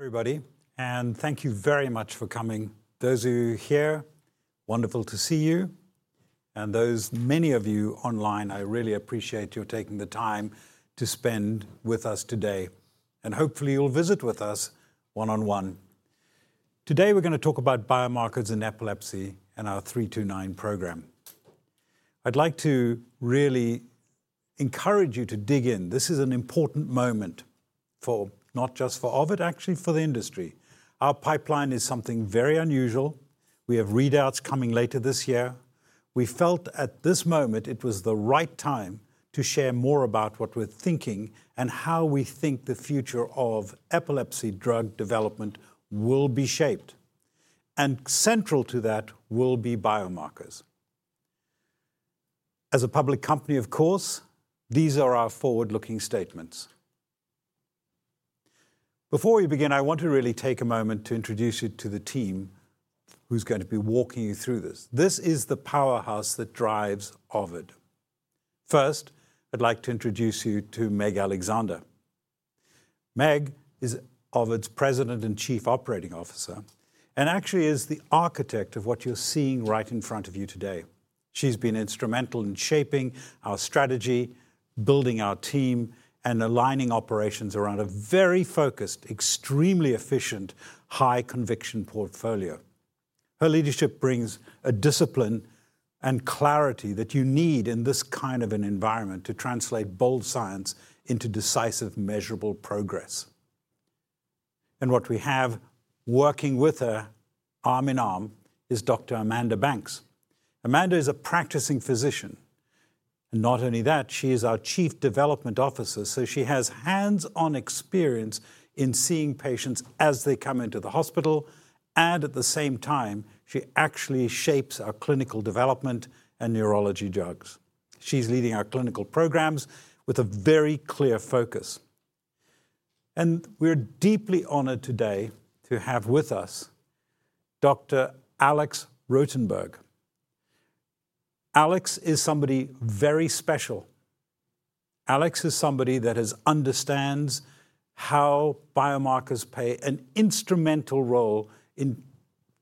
Everybody, and thank you very much for coming. Those of you here, wonderful to see you. Those many of you online, I really appreciate your taking the time to spend with us today. Hopefully, you'll visit with us one-on-one. Today, we're going to talk about biomarkers in epilepsy and our 329 program. I'd like to really encourage you to dig in. This is an important moment not just for Ovid, actually for the industry. Our pipeline is something very unusual. We have readouts coming later this year. We felt at this moment it was the right time to share more about what we're thinking and how we think the future of epilepsy drug development will be shaped. Central to that will be biomarkers. As a public company, of course, these are our forward-looking statements. Before we begin, I want to really take a moment to introduce you to the team who's going to be walking you through this. This is the powerhouse that drives Ovid. First, I'd like to introduce you to Meg Alexander. Meg is Ovid's President and Chief Operating Officer and actually is the architect of what you're seeing right in front of you today. She's been instrumental in shaping our strategy, building our team, and aligning operations around a very focused, extremely efficient, high-conviction portfolio. Her leadership brings a discipline and clarity that you need in this kind of an environment to translate bold science into decisive, measurable progress. What we have working with her arm in arm is Dr. Amanda Banks. Amanda is a practicing physician. Not only that, she is our Chief Development Officer, so she has hands-on experience in seeing patients as they come into the hospital. At the same time, she actually shapes our clinical development and neurology drugs. She's leading our clinical programs with a very clear focus. We're deeply honored today to have with us Dr. Alex Rotenberg. Alex is somebody very special. Alex is somebody that understands how biomarkers play an instrumental role in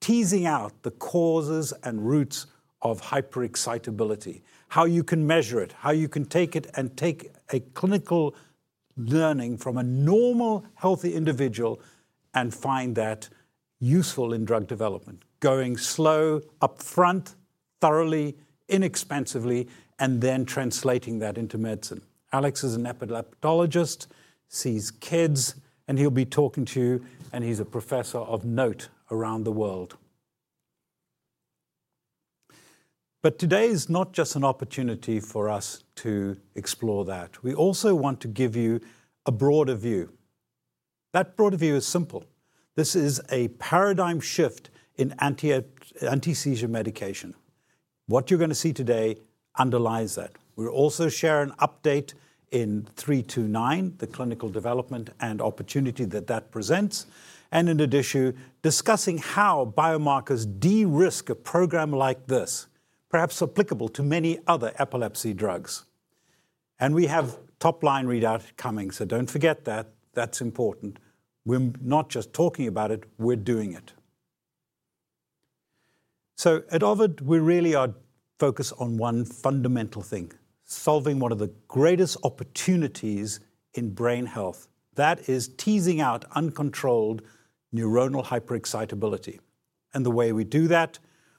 teasing out the causes and roots of hyperexcitability, how you can measure it, how you can take it and take a clinical learning from a normal, healthy individual and find that useful in drug development, going slow, upfront, thoroughly, inexpensively, and then translating that into medicine. Alex is an epileptologist, sees kids, and he'll be talking to you, and he's a professor of note around the world. Today is not just an opportunity for us to explore that. We also want to give you a broader view. That broader view is simple. This is a paradigm shift in anti-seizure medication. What you're going to see today underlies that. We'll also share an update in 329, the clinical development and opportunity that that presents, and in addition, discussing how biomarkers de-risk a program like this, perhaps applicable to many other epilepsy drugs. We have top-line readouts coming, so don't forget that. That's important. We're not just talking about it, we're doing it. At Ovid, we really are focused on one fundamental thing: solving one of the greatest opportunities in brain health. That is teasing out uncontrolled neuronal hyperexcitability. The way we do that,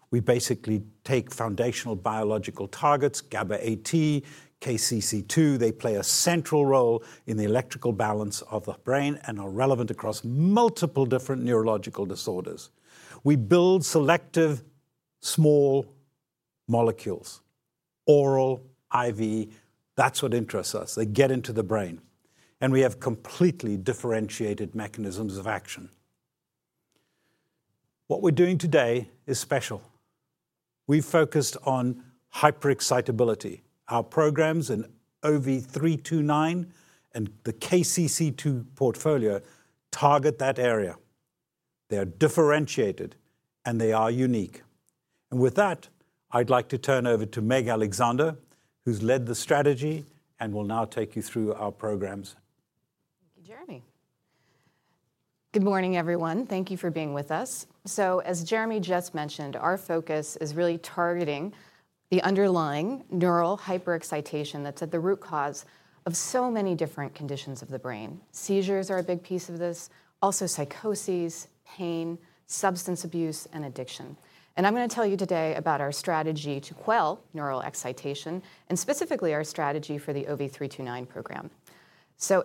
we basically take foundational biological targets, GABA-AT, KCC2. They play a central role in the electrical balance of the brain and are relevant across multiple different neurological disorders. We build selective, small molecules, oral, IV. That's what interests us. They get into the brain. We have completely differentiated mechanisms of action. What we're doing today is special. We've focused on hyperexcitability. Our programs in OV329 and the KCC2 portfolio target that area. They are differentiated and they are unique. With that, I'd like to turn over to Meg Alexander, who's led the strategy and will now take you through our programs. Thank you, Jeremy. Good morning, everyone. Thank you for being with us. As Jeremy just mentioned, our focus is really targeting the underlying neural hyperexcitation that's at the root cause of so many different conditions of the brain. Seizures are a big piece of this, also psychoses, pain, substance abuse, and addiction. I'm going to tell you today about our strategy to quell neural excitation and specifically our strategy for the OV329 program.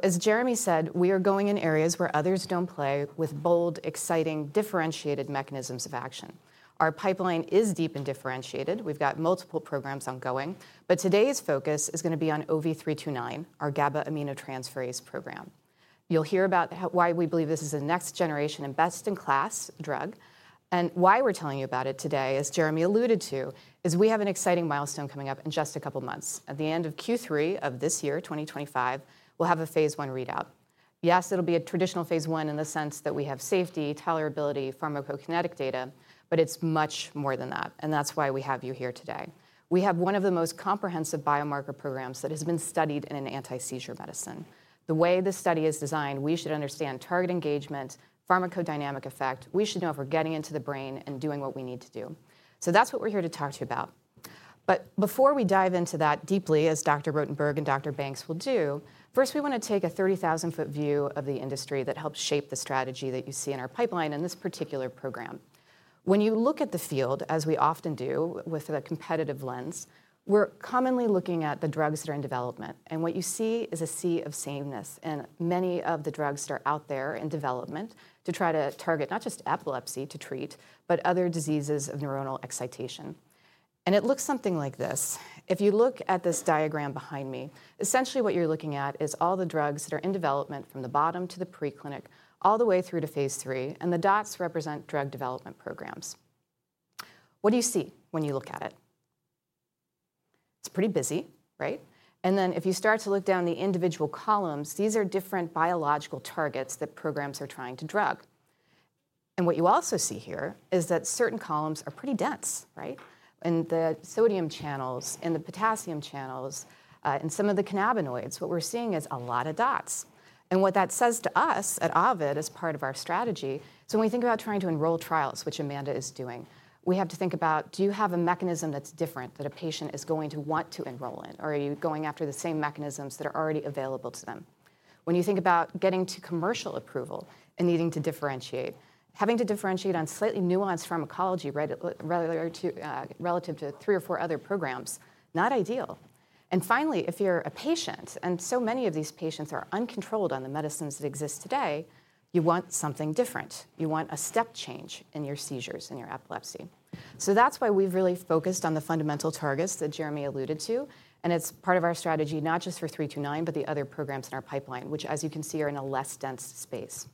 As Jeremy said, we are going in areas where others don't play with bold, exciting, differentiated mechanisms of action. Our pipeline is deep and differentiated. We've got multiple programs ongoing. Today's focus is going to be on OV329, our GABA aminotransferase program. You'll hear about why we believe this is a next-generation and best-in-class drug. Why we're telling you about it today, as Jeremy alluded to, is we have an exciting milestone coming up in just a couple of months. At the end of Q3 of this year, 2025, we'll have a phase I readout. Yes, it'll be a traditional phase I in the sense that we have safety, tolerability, pharmacokinetic data, but it's much more than that. That's why we have you here today. We have one of the most comprehensive biomarker programs that has been studied in an anti-seizure medicine. The way this study is designed, we should understand target engagement, pharmacodynamic effect. We should know if we're getting into the brain and doing what we need to do. That's what we're here to talk to you about. Before we dive into that deeply, as Dr. Rotenberg and Dr. Banks will do, first, we want to take a 30,000-foot view of the industry that helps shape the strategy that you see in our pipeline in this particular program. When you look at the field, as we often do with a competitive lens, we're commonly looking at the drugs that are in development. What you see is a sea of sameness. Many of the drugs that are out there in development try to target not just epilepsy to treat, but other diseases of neuronal excitation. It looks something like this. If you look at this diagram behind me, essentially what you're looking at is all the drugs that are in development from the bottom to the preclinic, all the way through to phase III. The dots represent drug development programs. What do you see when you look at it? It's pretty busy, right? If you start to look down the individual columns, these are different biological targets that programs are trying to drug. What you also see here is that certain columns are pretty dense, right? The sodium channels and the potassium channels and some of the cannabinoids, what we're seeing is a lot of dots. What that says to us at Ovid as part of our strategy is when we think about trying to enroll trials, which Amanda is doing, we have to think about, do you have a mechanism that's different that a patient is going to want to enroll in? Or are you going after the same mechanisms that are already available to them? When you think about getting to commercial approval and needing to differentiate, having to differentiate on slightly nuanced pharmacology relative to three or four other programs, not ideal. Finally, if you're a patient and so many of these patients are uncontrolled on the medicines that exist today, you want something different. You want a step change in your seizures and your epilepsy. That is why we've really focused on the fundamental targets that Jeremy alluded to. It is part of our strategy, not just for 329, but the other programs in our pipeline, which, as you can see, are in a less dense space.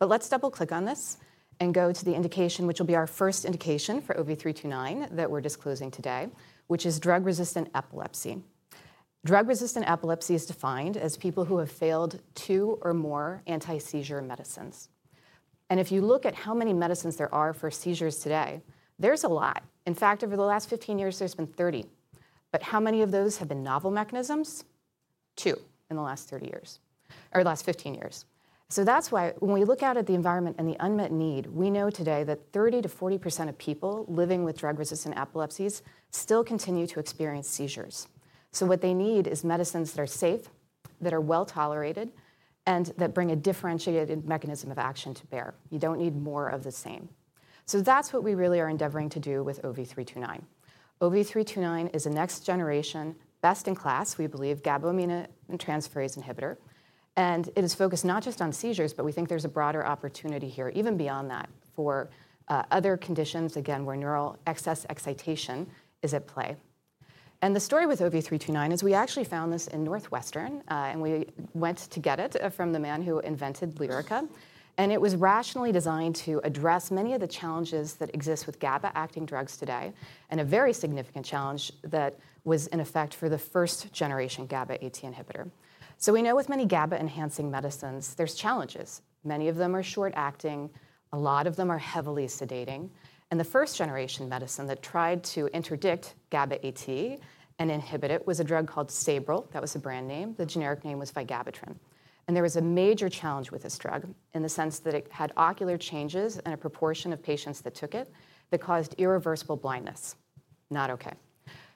Let's double-click on this and go to the indication, which will be our first indication for OV329 that we're disclosing today, which is drug-resistant epilepsy. Drug-resistant epilepsy is defined as people who have failed two or more anti-seizure medicines. If you look at how many medicines there are for seizures today, there's a lot. In fact, over the last 15 years, there have been 30. How many of those have been novel mechanisms? Two in the last 30 years or the last 15 years. That is why when we look out at the environment and the unmet need, we know today that 30%-40% of people living with drug-resistant epilepsies still continue to experience seizures. What they need is medicines that are safe, that are well tolerated, and that bring a differentiated mechanism of action to bear. You do not need more of the same. That is what we really are endeavoring to do with OV329. OV329 is a next-generation, best-in-class, we believe, GABA aminotransferase inhibitor. It is focused not just on seizures, but we think there is a broader opportunity here, even beyond that, for other conditions, again, where neural excess excitation is at play. The story with OV329 is we actually found this in Northwestern, and we went to get it from the man who invented Lyrica. It was rationally designed to address many of the challenges that exist with GABA-acting drugs today and a very significant challenge that was in effect for the first-generation GABA-AT inhibitor. We know with many GABA-enhancing medicines, there are challenges. Many of them are short-acting. A lot of them are heavily sedating. The first-generation medicine that tried to interdict GABA-AT and inhibit it was a drug called Sabril. That was a brand name. The generic name was vigabatrin. There was a major challenge with this drug in the sense that it had ocular changes in a proportion of patients that took it that caused irreversible blindness. Not okay.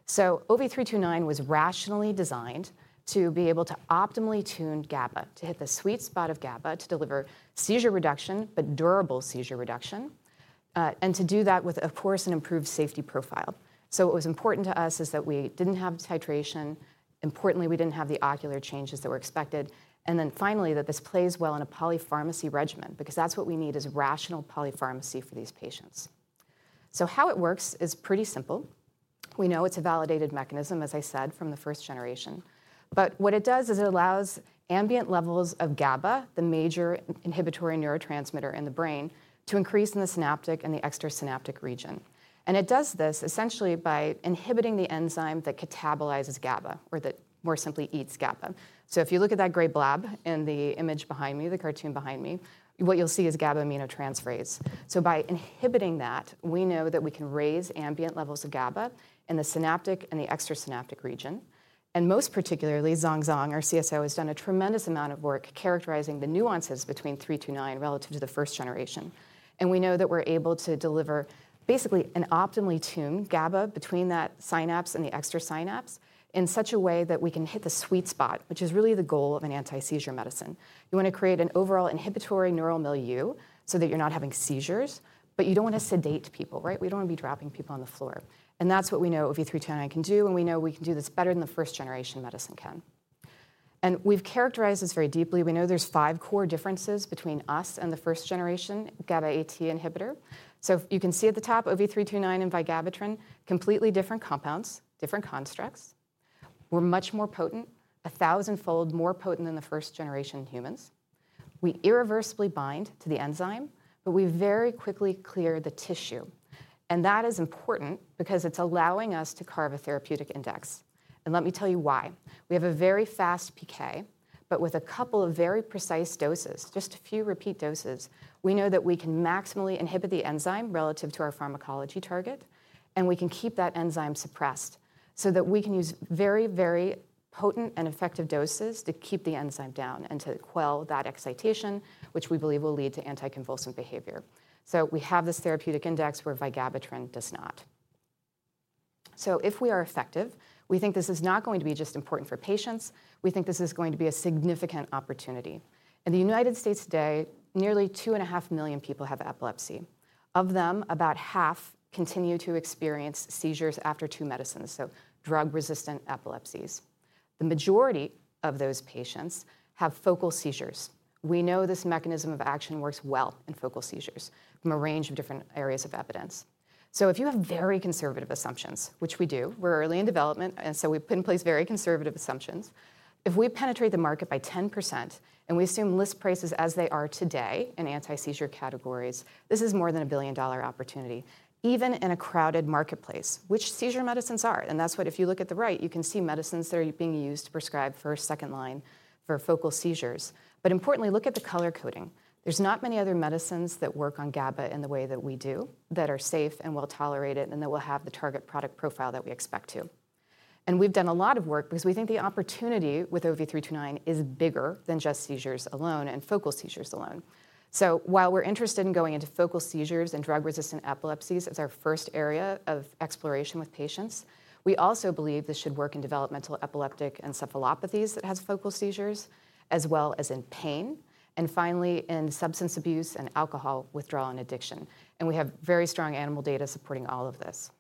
OV329 was rationally designed to be able to optimally tune GABA to hit the sweet spot of GABA to deliver seizure reduction, but durable seizure reduction, and to do that with, of course, an improved safety profile. What was important to us is that we did not have titration. Importantly, we did not have the ocular changes that were expected. Finally, this plays well in a polypharmacy regimen because what we need is rational polypharmacy for these patients. How it works is pretty simple. We know it is a validated mechanism, as I said, from the first generation. What it does is it allows ambient levels of GABA, the major inhibitory neurotransmitter in the brain, to increase in the synaptic and the extrasynaptic region. It does this essentially by inhibiting the enzyme that catabolizes GABA or that more simply eats GABA. If you look at that gray blob in the image behind me, the cartoon behind me, what you'll see is GABA aminotransferase. By inhibiting that, we know that we can raise ambient levels of GABA in the synaptic and the extrasynaptic region. Most particularly, Zhong Zhong, our CSO, has done a tremendous amount of work characterizing the nuances between 329 relative to the first generation. We know that we're able to deliver basically an optimally tuned GABA between that synapse and the extrasynapse in such a way that we can hit the sweet spot, which is really the goal of an anti-seizure medicine. You want to create an overall inhibitory neural milieu so that you're not having seizures, but you don't want to sedate people, right? We don't want to be dropping people on the floor. That is what we know OV329 can do, and we know we can do this better than the 1st generation medicine can. We have characterized this very deeply. We know there are five core differences between us and the 1st generation GABA-AT inhibitor. You can see at the top, OV329 and vigabatrin, completely different compounds, different constructs. We are much more potent, a thousand-fold more potent than the first-generation in humans. We irreversibly bind to the enzyme, but we very quickly clear the tissue. That is important because it is allowing us to carve a therapeutic index. Let me tell you why. We have a very fast PK, but with a couple of very precise doses, just a few repeat doses, we know that we can maximally inhibit the enzyme relative to our pharmacology target, and we can keep that enzyme suppressed so that we can use very, very potent and effective doses to keep the enzyme down and to quell that excitation, which we believe will lead to anticonvulsant behavior. We have this therapeutic index where vigabatrin does not. If we are effective, we think this is not going to be just important for patients. We think this is going to be a significant opportunity. In the United States today, nearly 2.5 million people have epilepsy. Of them, about half continue to experience seizures after two medicines, so drug-resistant epilepsies. The majority of those patients have focal seizures. We know this mechanism of action works well in focal seizures from a range of different areas of evidence. If you have very conservative assumptions, which we do, we're early in development, and we put in place very conservative assumptions. If we penetrate the market by 10% and we assume list prices as they are today in anti-seizure categories, this is more than a billion-dollar opportunity, even in a crowded marketplace, which seizure medicines are. If you look at the right, you can see medicines that are being used to prescribe first, second line for focal seizures. Importantly, look at the color coding. There are not many other medicines that work on GABA in the way that we do that are safe and well tolerated and that will have the target product profile that we expect to. We have done a lot of work because we think the opportunity with OV329 is bigger than just seizures alone and focal seizures alone. While we are interested in going into focal seizures and drug-resistant epilepsies as our first area of exploration with patients, we also believe this should work in developmental epileptic encephalopathies that have focal seizures, as well as in pain, and finally in substance abuse and alcohol withdrawal and addiction. We have very strong animal data supporting all of this.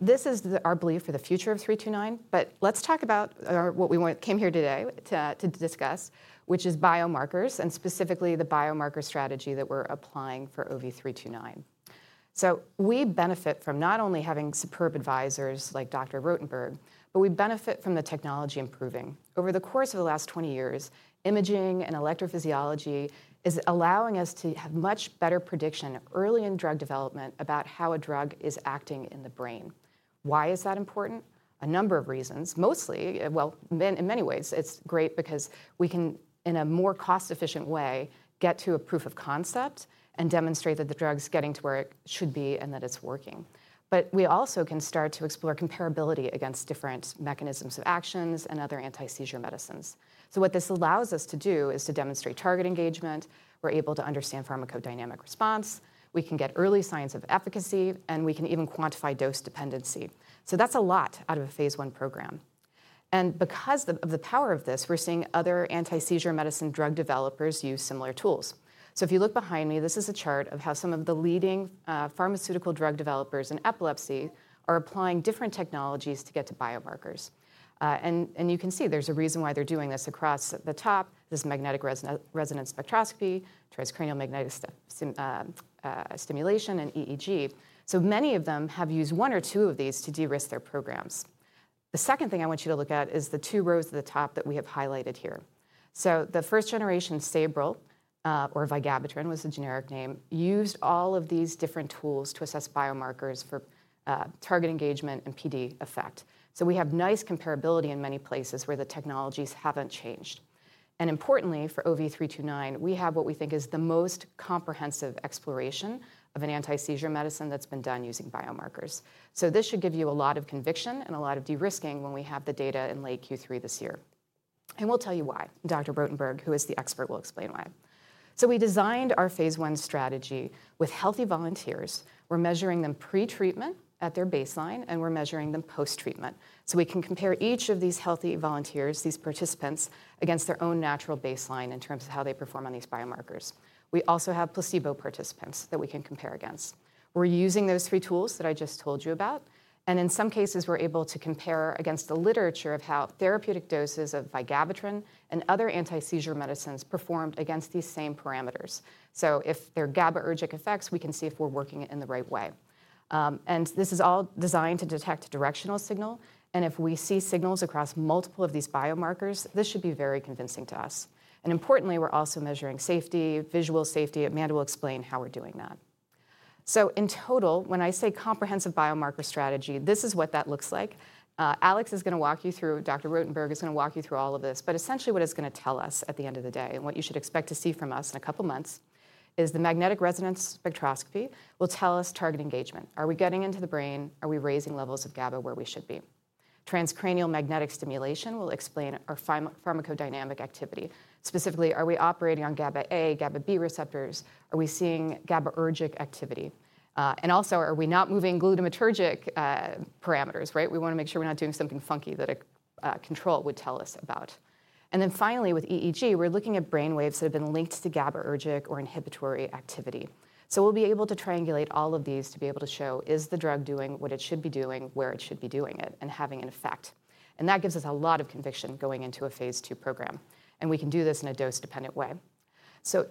This is our belief for the future of 329. Let's talk about what we came here today to discuss, which is biomarkers and specifically the biomarker strategy that we are applying for OV329. We benefit from not only having superb advisors like Dr. Rotenberg, but we benefit from the technology improving. Over the course of the last 20 years, imaging and electrophysiology is allowing us to have much better prediction early in drug development about how a drug is acting in the brain. Why is that important? A number of reasons, mostly, well, in many ways, it's great because we can, in a more cost-efficient way, get to a proof of concept and demonstrate that the drug's getting to where it should be and that it's working. We also can start to explore comparability against different mechanisms of actions and other anti-seizure medicines. What this allows us to do is to demonstrate target engagement. We're able to understand pharmacodynamic response. We can get early signs of efficacy, and we can even quantify dose dependency. That's a lot out of a phase I program. Because of the power of this, we're seeing other anti-seizure medicine drug developers use similar tools. If you look behind me, this is a chart of how some of the leading pharmaceutical drug developers in epilepsy are applying different technologies to get to biomarkers. You can see there's a reason why they're doing this across the top. There's magnetic resonance spectroscopy, transcranial magnetic stimulation, and EEG. Many of them have used one or two of these to de-risk their programs. The second thing I want you to look at is the two rows at the top that we have highlighted here. The 1st generation Sabril, or vigabatrin was the generic name, used all of these different tools to assess biomarkers for target engagement and PD effect. We have nice comparability in many places where the technologies haven't changed. Importantly, for OV329, we have what we think is the most comprehensive exploration of an anti-seizure medicine that has been done using biomarkers. This should give you a lot of conviction and a lot of de-risking when we have the data in late Q3 this year. We will tell you why. Dr. Rotenberg, who is the expert, will explain why. We designed our phase I strategy with healthy volunteers. We are measuring them pre-treatment at their baseline, and we are measuring them post-treatment. We can compare each of these healthy volunteers, these participants, against their own natural baseline in terms of how they perform on these biomarkers. We also have placebo participants that we can compare against. We are using those three tools that I just told you about. In some cases, we're able to compare against the literature of how therapeutic doses of vigabatrin and other anti-seizure medicines performed against these same parameters. If they're GABA-ergic effects, we can see if we're working it in the right way. This is all designed to detect a directional signal. If we see signals across multiple of these biomarkers, this should be very convincing to us. Importantly, we're also measuring safety, visual safety. Amanda will explain how we're doing that. In total, when I say comprehensive biomarker strategy, this is what that looks like. Alex is going to walk you through. Dr. Rotenberg is going to walk you through all of this. Essentially, what it's going to tell us at the end of the day and what you should expect to see from us in a couple of months is the magnetic resonance spectroscopy will tell us target engagement. Are we getting into the brain? Are we raising levels of GABA where we should be? Transcranial magnetic stimulation will explain our pharmacodynamic activity. Specifically, are we operating on GABA A, GABA B receptors? Are we seeing GABA-ergic activity? Also, are we not moving glutamatergic parameters, right? We want to make sure we're not doing something funky that a control would tell us about. Finally, with EEG, we're looking at brain waves that have been linked to GABA-ergic or inhibitory activity. We'll be able to triangulate all of these to be able to show, is the drug doing what it should be doing where it should be doing it and having an effect? That gives us a lot of conviction going into a phase II program. We can do this in a dose-dependent way.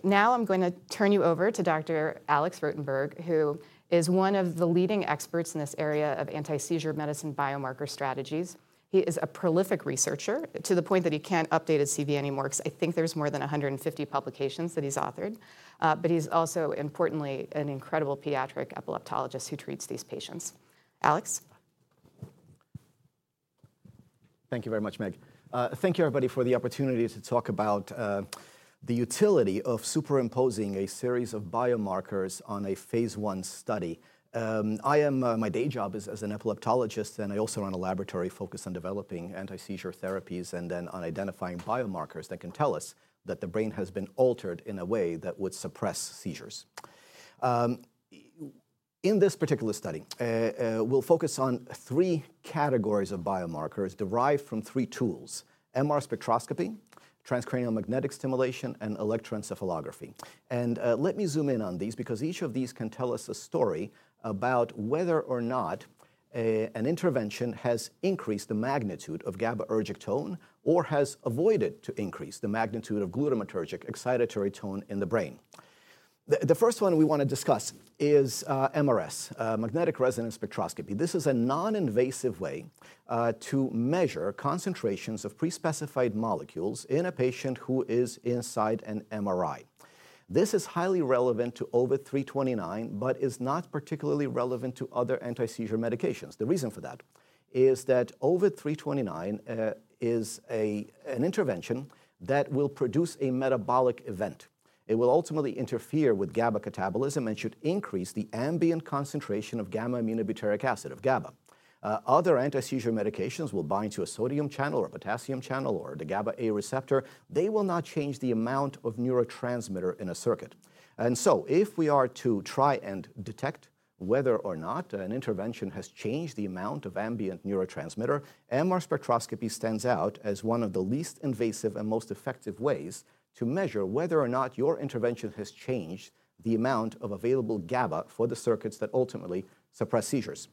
Now I'm going to turn you over to Dr. Alex Rotenberg, who is one of the leading experts in this area of anti-seizure medicine biomarker strategies. He is a prolific researcher to the point that he can't update his CV anymore because I think there's more than 150 publications that he's authored. He's also, importantly, an incredible pediatric epileptologist who treats these patients. Alex. Thank you very much, Meg. Thank you, everybody, for the opportunity to talk about the utility of superimposing a series of biomarkers on a phase I study. My day job is as an epileptologist, and I also run a laboratory focused on developing anti-seizure therapies and then on identifying biomarkers that can tell us that the brain has been altered in a way that would suppress seizures. In this particular study, we'll focus on three categories of biomarkers derived from three tools: magnetic resonance spectroscopy, transcranial magnetic stimulation, and electroencephalography. Let me zoom in on these because each of these can tell us a story about whether or not an intervention has increased the magnitude of GABA-ergic tone or has avoided increasing the magnitude of glutamatergic excitatory tone in the brain. The first one we want to discuss is MRS, magnetic resonance spectroscopy. This is a non-invasive way to measure concentrations of pre-specified molecules in a patient who is inside an MRI. This is highly relevant to OV329, but is not particularly relevant to other anti-seizure medications. The reason for that is that OV329 is an intervention that will produce a metabolic event. It will ultimately interfere with GABA catabolism and should increase the ambient concentration of gamma-aminobutyric acid or GABA. Other anti-seizure medications will bind to a sodium channel or a potassium channel or the GABA A receptor. They will not change the amount of neurotransmitter in a circuit. If we are to try and detect whether or not an intervention has changed the amount of ambient neurotransmitter, MR spectroscopy stands out as one of the least invasive and most effective ways to measure whether or not your intervention has changed the amount of available GABA for the circuits that ultimately suppress seizures.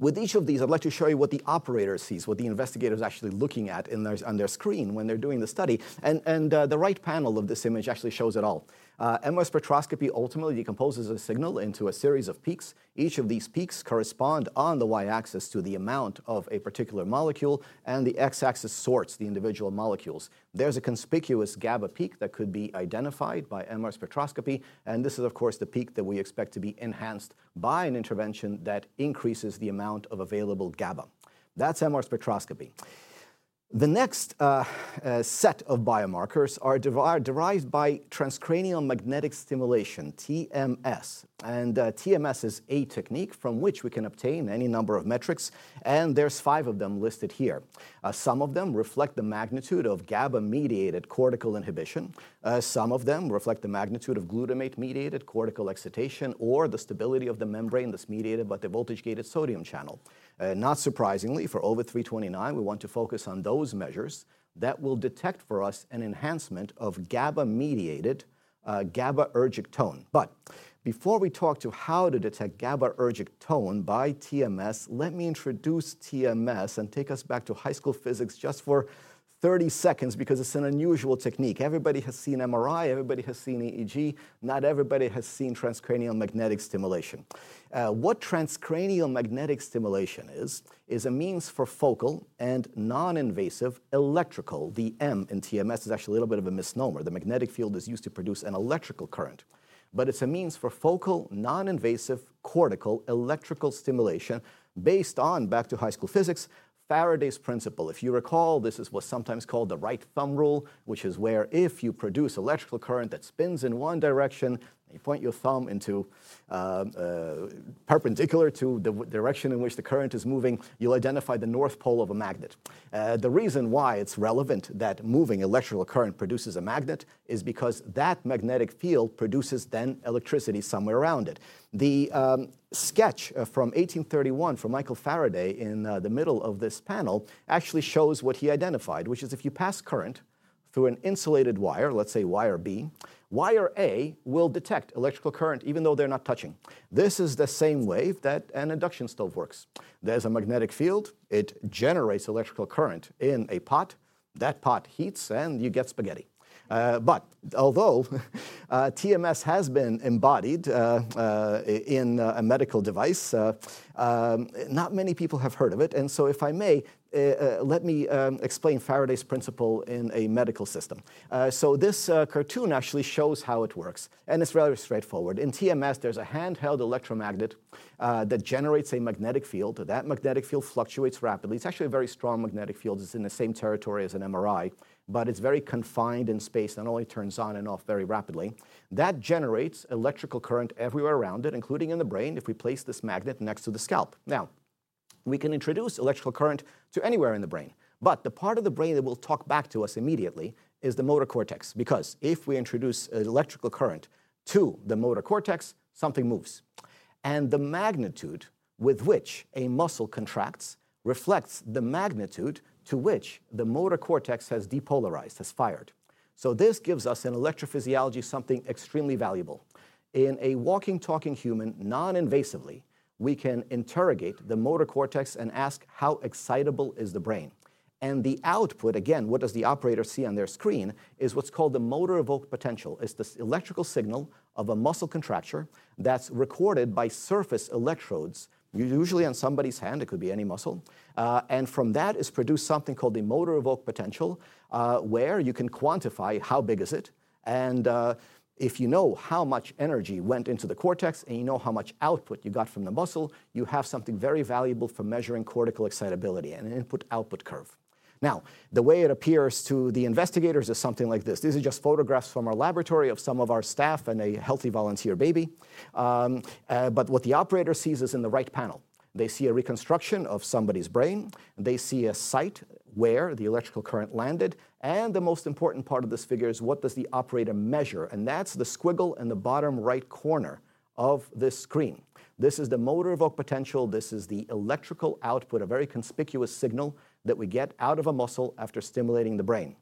With each of these, I'd like to show you what the operator sees, what the investigator is actually looking at on their screen when they're doing the study. The right panel of this image actually shows it all. MR spectroscopy ultimately decomposes a signal into a series of peaks. Each of these peaks corresponds on the y-axis to the amount of a particular molecule, and the x-axis sorts the individual molecules. There's a conspicuous GABA peak that could be identified by MR spectroscopy. This is, of course, the peak that we expect to be enhanced by an intervention that increases the amount of available GABA. That's MR spectroscopy. The next set of biomarkers are derived by transcranial magnetic stimulation, TMS. TMS is a technique from which we can obtain any number of metrics. There are five of them listed here. Some of them reflect the magnitude of GABA-mediated cortical inhibition. Some of them reflect the magnitude of glutamate-mediated cortical excitation or the stability of the membrane that's mediated by the voltage-gated sodium channel. Not surprisingly, for OV329, we want to focus on those measures that will detect for us an enhancement of GABA-mediated GABA-ergic tone. Before we talk to how to detect GABA-ergic tone by TMS, let me introduce TMS and take us back to high school physics just for 30 seconds because it's an unusual technique. Everybody has seen MRI. Everybody has seen EEG. Not everybody has seen transcranial magnetic stimulation. What transcranial magnetic stimulation is, is a means for focal and non-invasive electrical. The M in TMS is actually a little bit of a misnomer. The magnetic field is used to produce an electrical current. It's a means for focal, non-invasive, cortical, electrical stimulation based on, back to high school physics, Faraday's principle. If you recall, this is what's sometimes called the right thumb rule, which is where if you produce an electrical current that spins in one direction, you point your thumb perpendicular to the direction in which the current is moving, you'll identify the north pole of a magnet. The reason why it's relevant that moving electrical current produces a magnet is because that magnetic field produces then electricity somewhere around it. The sketch from 1831 from Michael Faraday in the middle of this panel actually shows what he identified, which is if you pass current through an insulated wire, let's say wire B, wire A will detect electrical current even though they're not touching. This is the same way that an induction stove works. There's a magnetic field. It generates electrical current in a pot. That pot heats, and you get spaghetti. Although TMS has been embodied in a medical device, not many people have heard of it. If I may, let me explain Faraday's principle in a medical system. This cartoon actually shows how it works. It is very straightforward. In TMS, there is a handheld electromagnet that generates a magnetic field. That magnetic field fluctuates rapidly. It is actually a very strong magnetic field. It is in the same territory as an MRI, but it is very confined in space. It only turns on and off very rapidly. That generates electrical current everywhere around it, including in the brain if we place this magnet next to the scalp. Now, we can introduce electrical current to anywhere in the brain. The part of the brain that will talk back to us immediately is the motor cortex. Because if we introduce electrical current to the motor cortex, something moves. The magnitude with which a muscle contracts reflects the magnitude to which the motor cortex has depolarized, has fired. This gives us in electrophysiology something extremely valuable. In a walking, talking human, non-invasively, we can interrogate the motor cortex and ask how excitable is the brain. The output, again, what does the operator see on their screen, is what's called the motor evoked potential. It's this electrical signal of a muscle contracture that's recorded by surface electrodes, usually on somebody's hand. It could be any muscle. From that is produced something called the motor evoked potential, where you can quantify how big is it. If you know how much energy went into the cortex and you know how much output you got from the muscle, you have something very valuable for measuring cortical excitability and an input-output curve. The way it appears to the investigators is something like this. These are just photographs from our laboratory of some of our staff and a healthy volunteer baby. What the operator sees is in the right panel. They see a reconstruction of somebody's brain. They see a site where the electrical current landed. The most important part of this figure is what does the operator measure. That is the squiggle in the bottom right corner of this screen. This is the motor evoked potential. This is the electrical output, a very conspicuous signal that we get out of a muscle after stimulating the brain.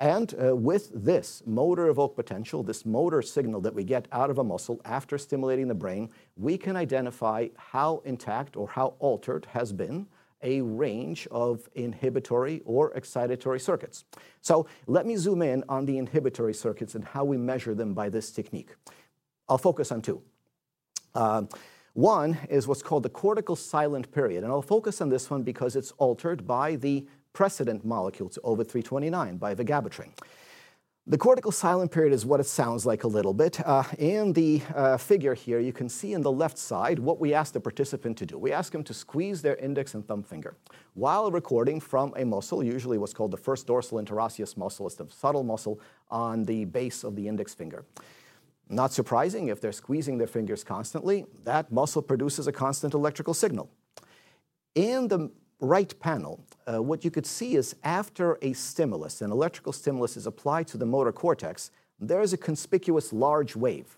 With this motor evoked potential, this motor signal that we get out of a muscle after stimulating the brain, we can identify how intact or how altered has been a range of inhibitory or excitatory circuits. Let me zoom in on the inhibitory circuits and how we measure them by this technique. I'll focus on two. One is what's called the cortical silent period. I'll focus on this one because it's altered by the precedent molecules OV329, by vigabatrin. The cortical silent period is what it sounds like a little bit. In the figure here, you can see on the left side what we ask the participant to do. We ask them to squeeze their index and thumb finger while recording from a muscle, usually what's called the first dorsal interosseous muscle. It's the subtle muscle on the base of the index finger. Not surprising, if they're squeezing their fingers constantly, that muscle produces a constant electrical signal. In the right panel, what you could see is after a stimulus, an electrical stimulus is applied to the motor cortex, there is a conspicuous large wave.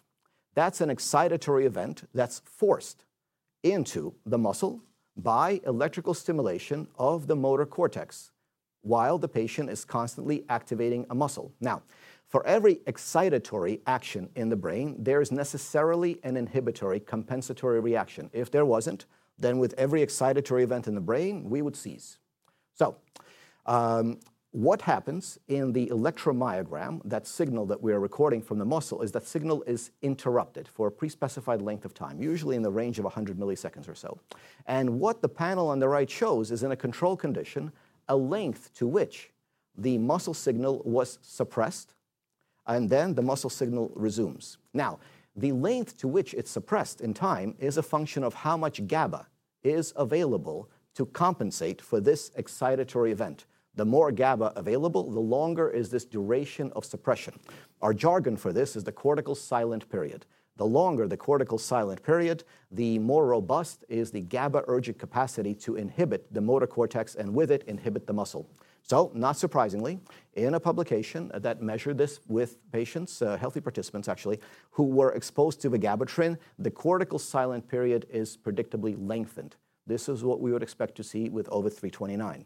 That's an excitatory event that's forced into the muscle by electrical stimulation of the motor cortex while the patient is constantly activating a muscle. Now, for every excitatory action in the brain, there is necessarily an inhibitory compensatory reaction. If there wasn't, then with every excitatory event in the brain, we would cease. What happens in the electromyogram, that signal that we are recording from the muscle, is that signal is interrupted for a pre-specified length of time, usually in the range of 100 ms or so. What the panel on the right shows is in a control condition, a length to which the muscle signal was suppressed, and then the muscle signal resumes. Now, the length to which it's suppressed in time is a function of how much GABA is available to compensate for this excitatory event. The more GABA available, the longer is this duration of suppression. Our jargon for this is the cortical silent period. The longer the cortical silent period, the more robust is the GABA-ergic capacity to inhibit the motor cortex and with it, inhibit the muscle. Not surprisingly, in a publication that measured this with patients, healthy participants actually, who were exposed to vigabatrin, the cortical silent period is predictably lengthened. This is what we would expect to see with OV329.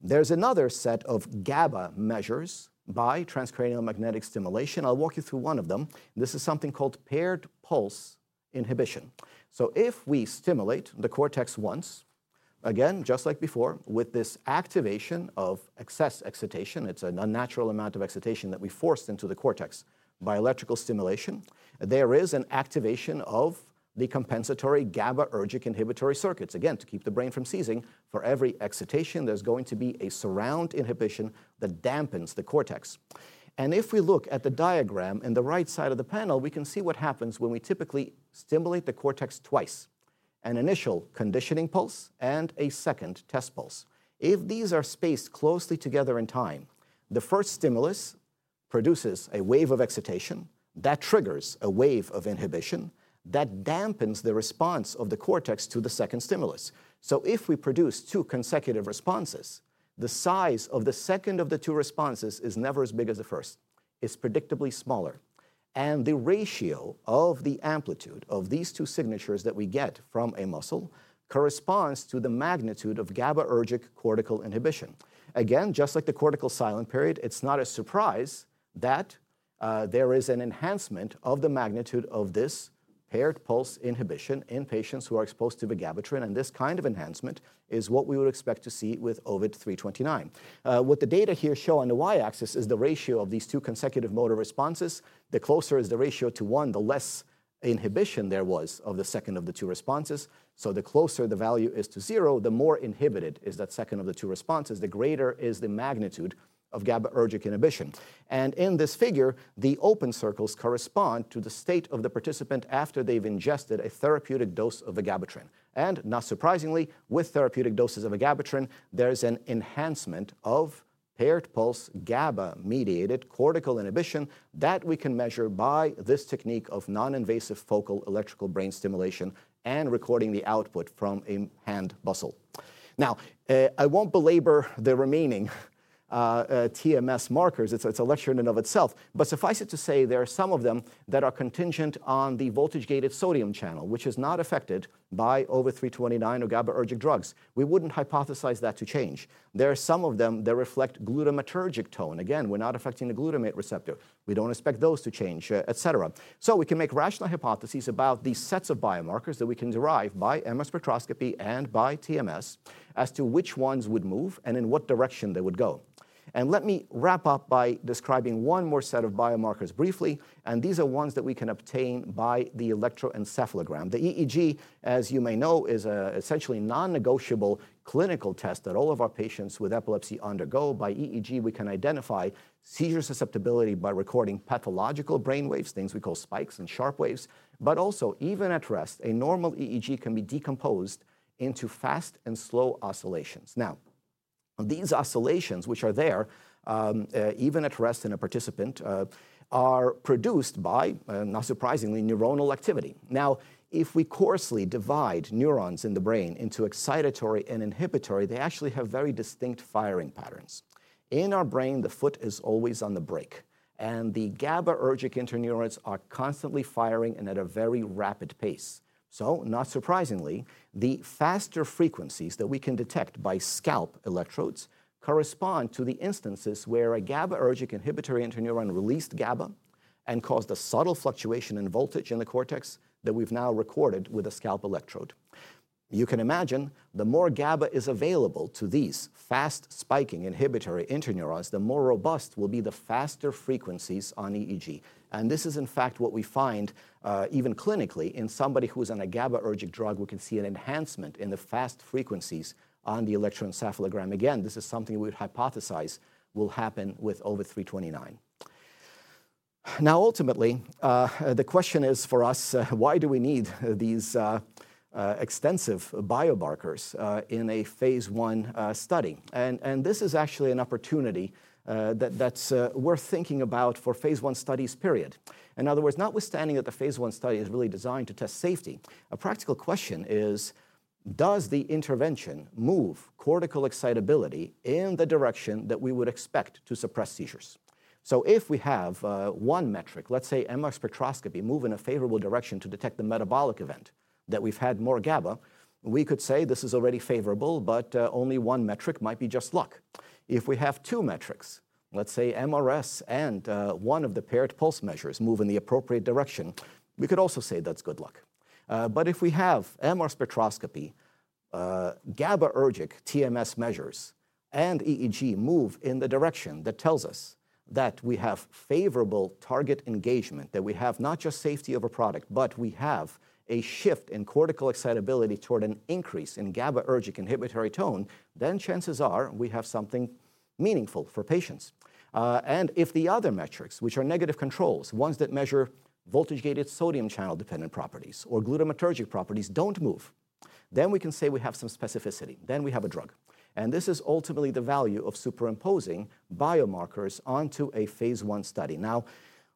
There's another set of GABA measures by transcranial magnetic stimulation. I'll walk you through one of them. This is something called paired pulse inhibition. If we stimulate the cortex once, again, just like before, with this activation of excess excitation, it is an unnatural amount of excitation that we forced into the cortex by electrical stimulation, there is an activation of the compensatory GABA-ergic inhibitory circuits. Again, to keep the brain from ceasing, for every excitation, there is going to be a surround inhibition that dampens the cortex. If we look at the diagram in the right side of the panel, we can see what happens when we typically stimulate the cortex twice, an initial conditioning pulse and a second test pulse. If these are spaced closely together in time, the first stimulus produces a wave of excitation that triggers a wave of inhibition that dampens the response of the cortex to the second stimulus. If we produce two consecutive responses, the size of the second of the two responses is never as big as the first. It's predictably smaller. The ratio of the amplitude of these two signatures that we get from a muscle corresponds to the magnitude of GABA-ergic cortical inhibition. Again, just like the cortical silent period, it's not a surprise that there is an enhancement of the magnitude of this paired pulse inhibition in patients who are exposed to vigabatrin. This kind of enhancement is what we would expect to see with OV329. What the data here show on the y-axis is the ratio of these two consecutive motor responses. The closer the ratio is to one, the less inhibition there was of the second of the two responses. The closer the value is to zero, the more inhibited is that second of the two responses, the greater is the magnitude of GABA-ergic inhibition. In this figure, the open circles correspond to the state of the participant after they have ingested a therapeutic dose of vigabatrin. Not surprisingly, with therapeutic doses of vigabatrin, there is an enhancement of paired pulse GABA-mediated cortical inhibition that we can measure by this technique of non-invasive focal electrical brain stimulation and recording the output from a hand muscle. I will not belabor the remaining TMS markers. It is a lecture in and of itself. Suffice it to say, there are some of them that are contingent on the voltage-gated sodium channel, which is not affected by OV329 or GABA-ergic drugs. We would not hypothesize that to change. There are some of them that reflect glutamatergic tone. Again, we're not affecting the glutamate receptor. We don't expect those to change, et cetera. We can make rational hypotheses about these sets of biomarkers that we can derive by MR spectroscopy and by TMS as to which ones would move and in what direction they would go. Let me wrap up by describing one more set of biomarkers briefly. These are ones that we can obtain by the electroencephalogram. The EEG, as you may know, is essentially a non-negotiable clinical test that all of our patients with epilepsy undergo. By EEG, we can identify seizure susceptibility by recording pathological brain waves, things we call spikes and sharp waves. Also, even at rest, a normal EEG can be decomposed into fast and slow oscillations. Now, these oscillations, which are there even at rest in a participant, are produced by, not surprisingly, neuronal activity. Now, if we coarsely divide neurons in the brain into excitatory and inhibitory, they actually have very distinct firing patterns. In our brain, the foot is always on the brake. And the GABA-ergic interneurons are constantly firing and at a very rapid pace. Not surprisingly, the faster frequencies that we can detect by scalp electrodes correspond to the instances where a GABA-ergic inhibitory interneuron released GABA and caused a subtle fluctuation in voltage in the cortex that we've now recorded with a scalp electrode. You can imagine, the more GABA is available to these fast spiking inhibitory interneurons, the more robust will be the faster frequencies on EEG. This is, in fact, what we find even clinically in somebody who is on a GABA-ergic drug. We can see an enhancement in the fast frequencies on the electroencephalogram. Again, this is something we would hypothesize will happen with OV329. Now, ultimately, the question is for us, why do we need these extensive biomarkers in a phase I study? This is actually an opportunity that's worth thinking about for phase I studies period. In other words, notwithstanding that the phase I study is really designed to test safety, a practical question is, does the intervention move cortical excitability in the direction that we would expect to suppress seizures? If we have one metric, let's say MR spectroscopy moving in a favorable direction to detect the metabolic event that we've had more GABA, we could say this is already favorable, but only one metric might be just luck. If we have two metrics, let's say MRS and one of the paired pulse measures move in the appropriate direction, we could also say that's good luck. If we have MR spectroscopy, GABA-ergic TMS measures, and EEG move in the direction that tells us that we have favorable target engagement, that we have not just safety of a product, but we have a shift in cortical excitability toward an increase in GABA-ergic inhibitory tone, chances are we have something meaningful for patients. If the other metrics, which are negative controls, ones that measure voltage-gated sodium channel dependent properties or glutamatergic properties, do not move, we can say we have some specificity. We have a drug. This is ultimately the value of superimposing biomarkers onto a phase I study.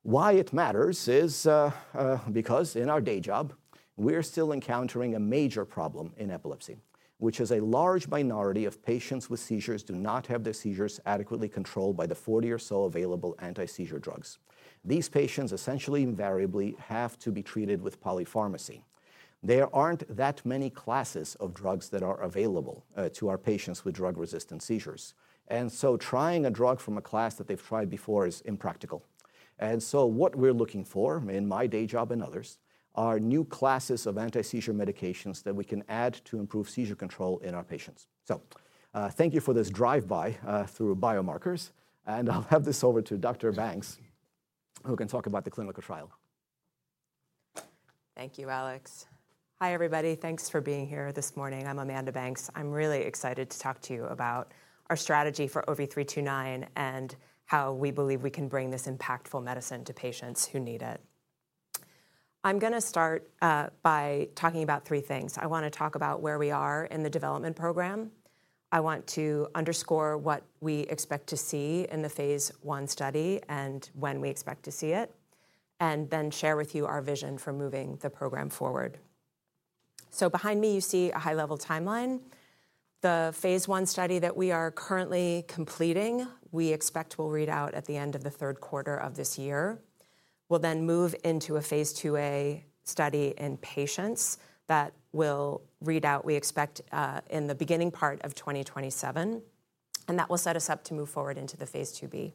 Why it matters is because in our day job, we are still encountering a major problem in epilepsy, which is a large minority of patients with seizures do not have their seizures adequately controlled by the 40 or so available anti-seizure drugs. These patients essentially invariably have to be treated with polypharmacy. There aren't that many classes of drugs that are available to our patients with drug-resistant seizures. Trying a drug from a class that they've tried before is impractical. What we're looking for in my day job and others are new classes of anti-seizure medications that we can add to improve seizure control in our patients. Thank you for this drive-by through biomarkers. I'll have this over to Dr. Banks, who can talk about the clinical trial. Thank you, Alex. Hi, everybody. Thanks for being here this morning. I'm Amanda Banks. I'm really excited to talk to you about our strategy for OV329 and how we believe we can bring this impactful medicine to patients who need it. I'm going to start by talking about three things. I want to talk about where we are in the development program. I want to underscore what we expect to see in the phase I study and when we expect to see it, and then share with you our vision for moving the program forward. Behind me, you see a high-level timeline. The phase I study that we are currently completing, we expect will read out at the end of the third quarter of this year. We'll then move into a phase II-A study in patients that will read out, we expect, in the beginning part of 2027. That will set us up to move forward into the phase II-B.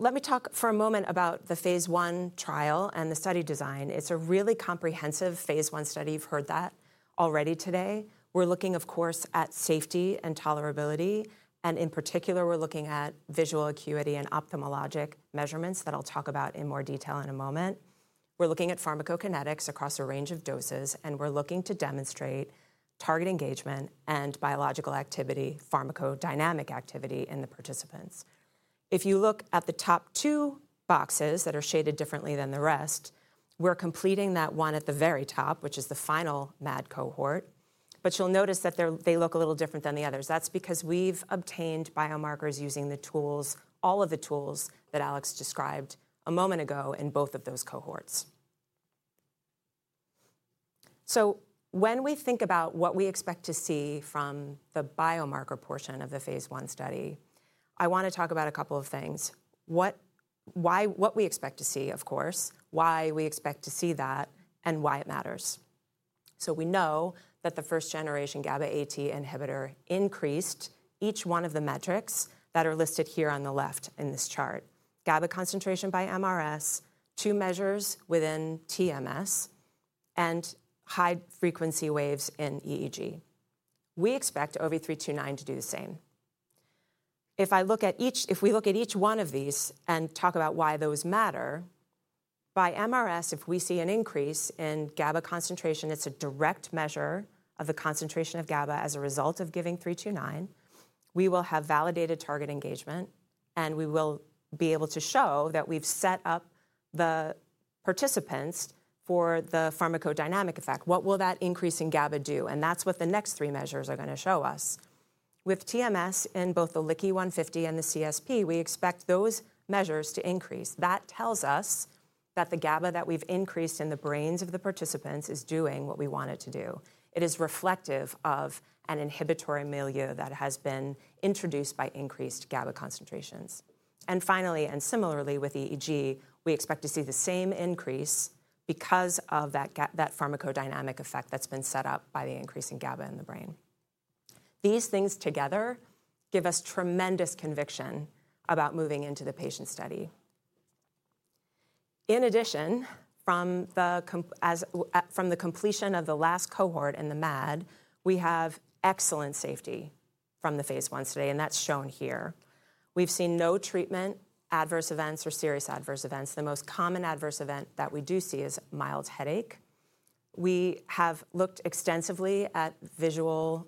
Let me talk for a moment about the phase I trial and the study design. It's a really comprehensive phase I study. You've heard that already today. We're looking, of course, at safety and tolerability. In particular, we're looking at visual acuity and ophthalmologic measurements that I'll talk about in more detail in a moment. We're looking at pharmacokinetics across a range of doses. We're looking to demonstrate target engagement and biological activity, pharmacodynamic activity in the participants. If you look at the top two boxes that are shaded differently than the rest, we're completing that one at the very top, which is the final MAD cohort. You'll notice that they look a little different than the others. That's because we've obtained biomarkers using the tools, all of the tools that Alex described a moment ago in both of those cohorts. When we think about what we expect to see from the biomarker portion of the phase I study, I want to talk about a couple of things. What we expect to see, of course, why we expect to see that, and why it matters. We know that the first-generation GABA-AT inhibitor increased each one of the metrics that are listed here on the left in this chart: GABA concentration by MRS, two measures within TMS, and high frequency waves in EEG. We expect OV329 to do the same. If I look at each, if we look at each one of these and talk about why those matter, by MRS, if we see an increase in GABA concentration, it is a direct measure of the concentration of GABA as a result of giving 329. We will have validated target engagement. We will be able to show that we have set up the participants for the pharmacodynamic effect. What will that increase in GABA do? That is what the next three measures are going to show us. With TMS in both the LICI 150 and the CSP, we expect those measures to increase. That tells us that the GABA that we've increased in the brains of the participants is doing what we want it to do. It is reflective of an inhibitory milieu that has been introduced by increased GABA concentrations. Finally, and similarly with EEG, we expect to see the same increase because of that pharmacodynamic effect that's been set up by the increase in GABA in the brain. These things together give us tremendous conviction about moving into the patient study. In addition, from the completion of the last cohort in the MAD, we have excellent safety from the phase I study. That is shown here. We've seen no treatment adverse events or serious adverse events. The most common adverse event that we do see is mild headache. We have looked extensively at visual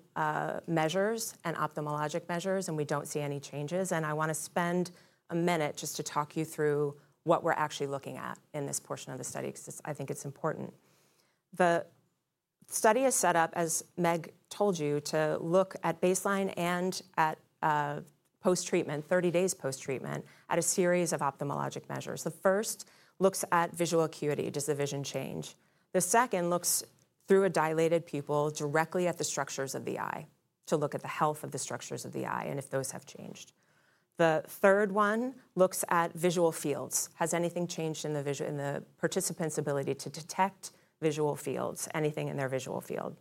measures and ophthalmologic measures. We do not see any changes. I want to spend a minute just to talk you through what we are actually looking at in this portion of the study because I think it is important. The study is set up, as Meg told you, to look at baseline and at post-treatment, 30 days post-treatment, at a series of ophthalmologic measures. The first looks at visual acuity. Does the vision change? The second looks through a dilated pupil directly at the structures of the eye to look at the health of the structures of the eye and if those have changed. The third one looks at visual fields. Has anything changed in the participant's ability to detect visual fields, anything in their visual field?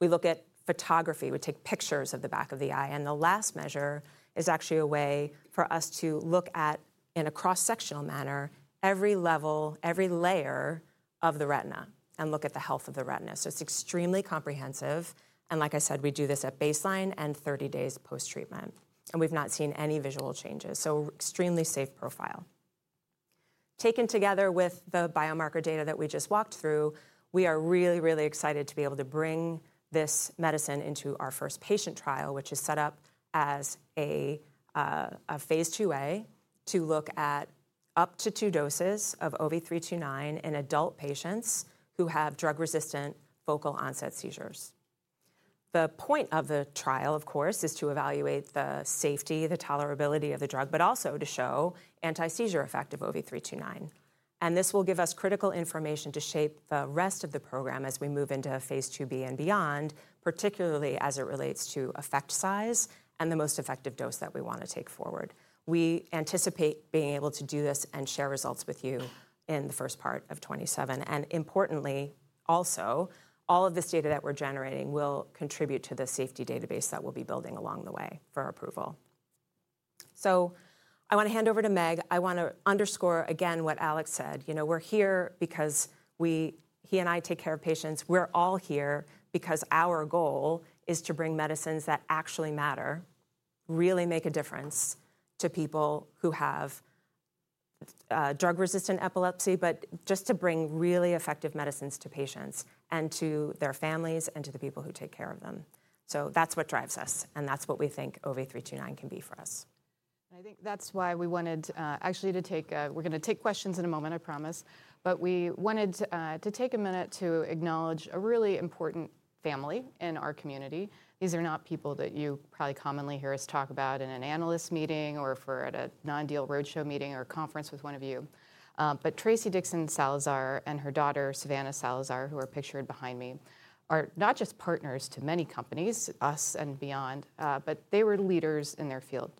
We look at photography. We take pictures of the back of the eye. The last measure is actually a way for us to look at, in a cross-sectional manner, every level, every layer of the retina and look at the health of the retina. It is extremely comprehensive. Like I said, we do this at baseline and 30 days post-treatment. We have not seen any visual changes. Extremely safe profile. Taken together with the biomarker data that we just walked through, we are really, really excited to be able to bring this medicine into our first patient trial, which is set up as a phase II-A to look at up to two doses of OV329 in adult patients who have drug-resistant focal onset seizures. The point of the trial, of course, is to evaluate the safety, the tolerability of the drug, but also to show anti-seizure effect of OV329. This will give us critical information to shape the rest of the program as we move into phase II-B and beyond, particularly as it relates to effect size and the most effective dose that we want to take forward. We anticipate being able to do this and share results with you in the first part of 2027. Importantly, also, all of this data that we're generating will contribute to the safety database that we'll be building along the way for approval. I want to hand over to Meg. I want to underscore, again, what Alex said. You know, we're here because he and I take care of patients. We're all here because our goal is to bring medicines that actually matter, really make a difference to people who have drug-resistant epilepsy, just to bring really effective medicines to patients and to their families and to the people who take care of them. That's what drives us. That's what we think OV329 can be for us. I think that's why we wanted actually to take—we're going to take questions in a moment, I promise. We wanted to take a minute to acknowledge a really important family in our community. These are not people that you probably commonly hear us talk about in an analyst meeting or at a non-deal roadshow meeting or conference with one of you. Tracy Dixon Salazar and her daughter, Savannah Salazar, who are pictured behind me, are not just partners to many companies, us and beyond, but they were leaders in their field.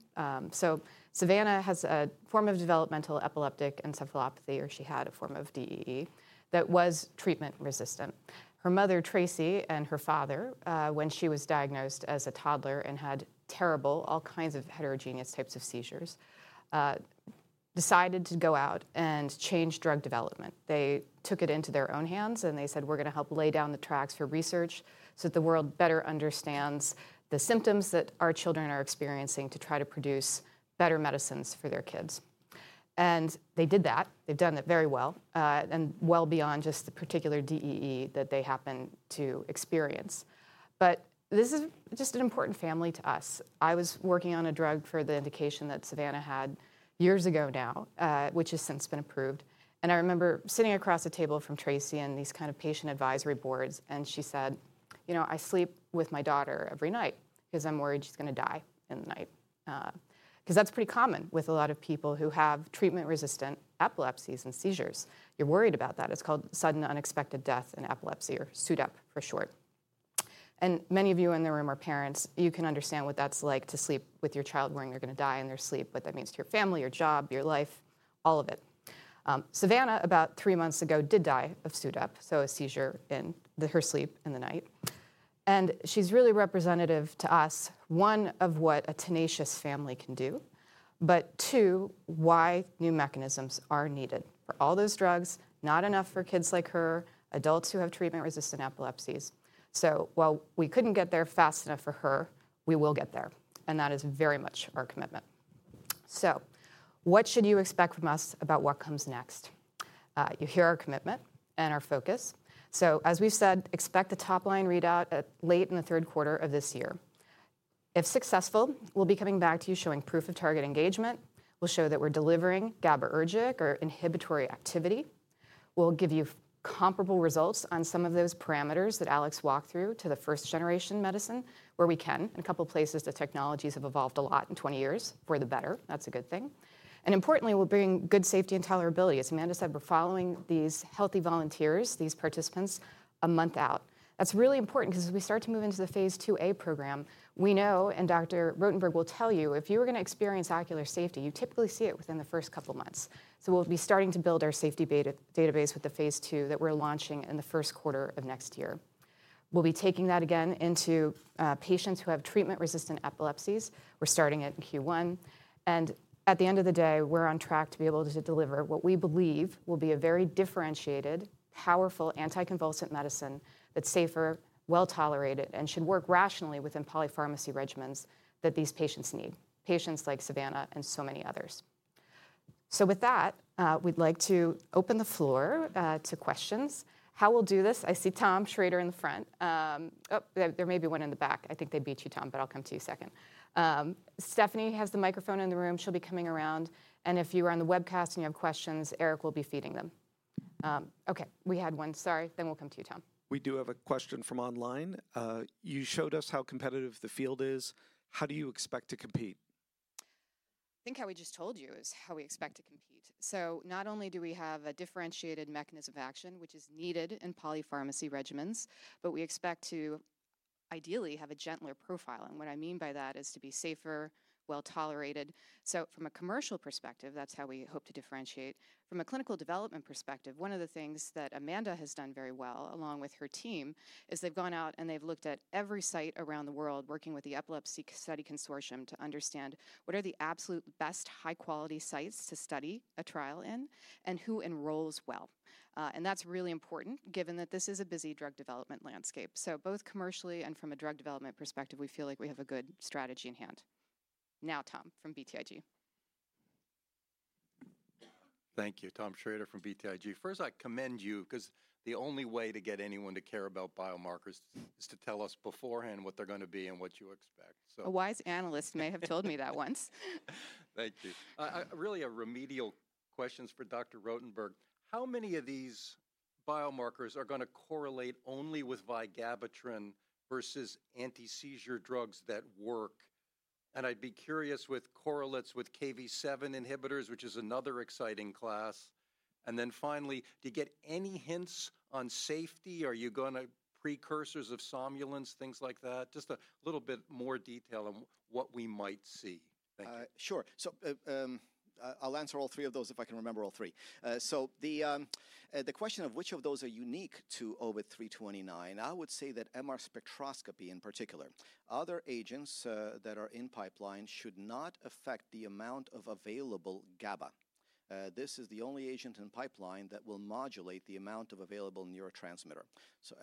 Savannah has a form of developmental epileptic encephalopathy, or she had a form of DEE that was treatment resistant. Her mother, Tracy, and her father, when she was diagnosed as a toddler and had terrible, all kinds of heterogeneous types of seizures, decided to go out and change drug development. They took it into their own hands. They said, we're going to help lay down the tracks for research so that the world better understands the symptoms that our children are experiencing to try to produce better medicines for their kids. They did that. They've done it very well and well beyond just the particular DEE that they happen to experience. This is just an important family to us. I was working on a drug for the indication that Savannah had years ago now, which has since been approved. I remember sitting across the table from Tracy in these kind of patient advisory boards. She said, you know, I sleep with my daughter every night because I'm worried she's going to die in the night because that's pretty common with a lot of people who have treatment-resistant epilepsies and seizures. You're worried about that. It's called sudden unexpected death in epilepsy or SUDEP for short. Many of you in the room are parents. You can understand what that's like to sleep with your child worrying they're going to die in their sleep, what that means to your family, your job, your life, all of it. Savannah, about three months ago, did die of SUDEP, so a seizure in her sleep in the night. She's really representative to us, one, of what a tenacious family can do, but two, why new mechanisms are needed for all those drugs, not enough for kids like her, adults who have treatment-resistant epilepsies. While we couldn't get there fast enough for her, we will get there. That is very much our commitment. What should you expect from us about what comes next? You hear our commitment and our focus. As we've said, expect the top line readout late in the third quarter of this year. If successful, we'll be coming back to you showing proof of target engagement. We'll show that we're delivering GABA-ergic or inhibitory activity. We'll give you comparable results on some of those parameters that Alex walked through to the first generation medicine where we can, in a couple of places the technologies have evolved a lot in 20 years for the better. That's a good thing. Importantly, we'll bring good safety and tolerability. As Amanda said, we're following these healthy volunteers, these participants, a month out. That's really important because as we start to move into the phase II-A program, we know, and Dr. Rotenberg will tell you, if you are going to experience ocular safety, you typically see it within the first couple of months. We'll be starting to build our safety database with the phase II that we're launching in the first quarter of next year. We'll be taking that again into patients who have treatment-resistant epilepsies. We're starting it in Q1. At the end of the day, we're on track to be able to deliver what we believe will be a very differentiated, powerful anti-convulsant medicine that's safer, well tolerated, and should work rationally within polypharmacy regimens that these patients need, patients like Savannah and so many others. With that, we'd like to open the floor to questions. How we'll do this, I see Tom Shrader in the front. Oh, there may be one in the back. I think they beat you, Tom, but I'll come to you second. Stephanie has the microphone in the room. She'll be coming around. If you are on the webcast and you have questions, Eric will be feeding them. OK, we had one. Sorry. We will come to you, Tom. We do have a question from online. You showed us how competitive the field is. How do you expect to compete? I think how we just told you is how we expect to compete. Not only do we have a differentiated mechanism of action, which is needed in polypharmacy regimens, but we expect to ideally have a gentler profile. What I mean by that is to be safer, well tolerated. From a commercial perspective, that's how we hope to differentiate. From a clinical development perspective, one of the things that Amanda has done very well along with her team is they've gone out and they've looked at every site around the world, working with the Epilepsy Study Consortium to understand what are the absolute best high-quality sites to study a trial in and who enrolls well. That is really important given that this is a busy drug development landscape. Both commercially and from a drug development perspective, we feel like we have a good strategy in hand. Now, Tom from BTIG. Thank you. Tom Shrader from BTIG. First, I commend you because the only way to get anyone to care about biomarkers is to tell us beforehand what they're going to be and what you expect. A wise analyst may have told me that once. Thank you. Really a remedial question for Dr. Rotenberg. How many of these biomarkers are going to correlate only with vigabatrin versus anti-seizure drugs that work? I'd be curious what correlates with KV7 inhibitors, which is another exciting class. Finally, do you get any hints on safety? Are you going to precursors of somnolence, things like that? Just a little bit more detail on what we might see. Thank you. Sure. I'll answer all three of those if I can remember all three. The question of which of those are unique to OV329, I would say that MR spectroscopy in particular, other agents that are in pipeline should not affect the amount of available GABA. This is the only agent in pipeline that will modulate the amount of available neurotransmitter.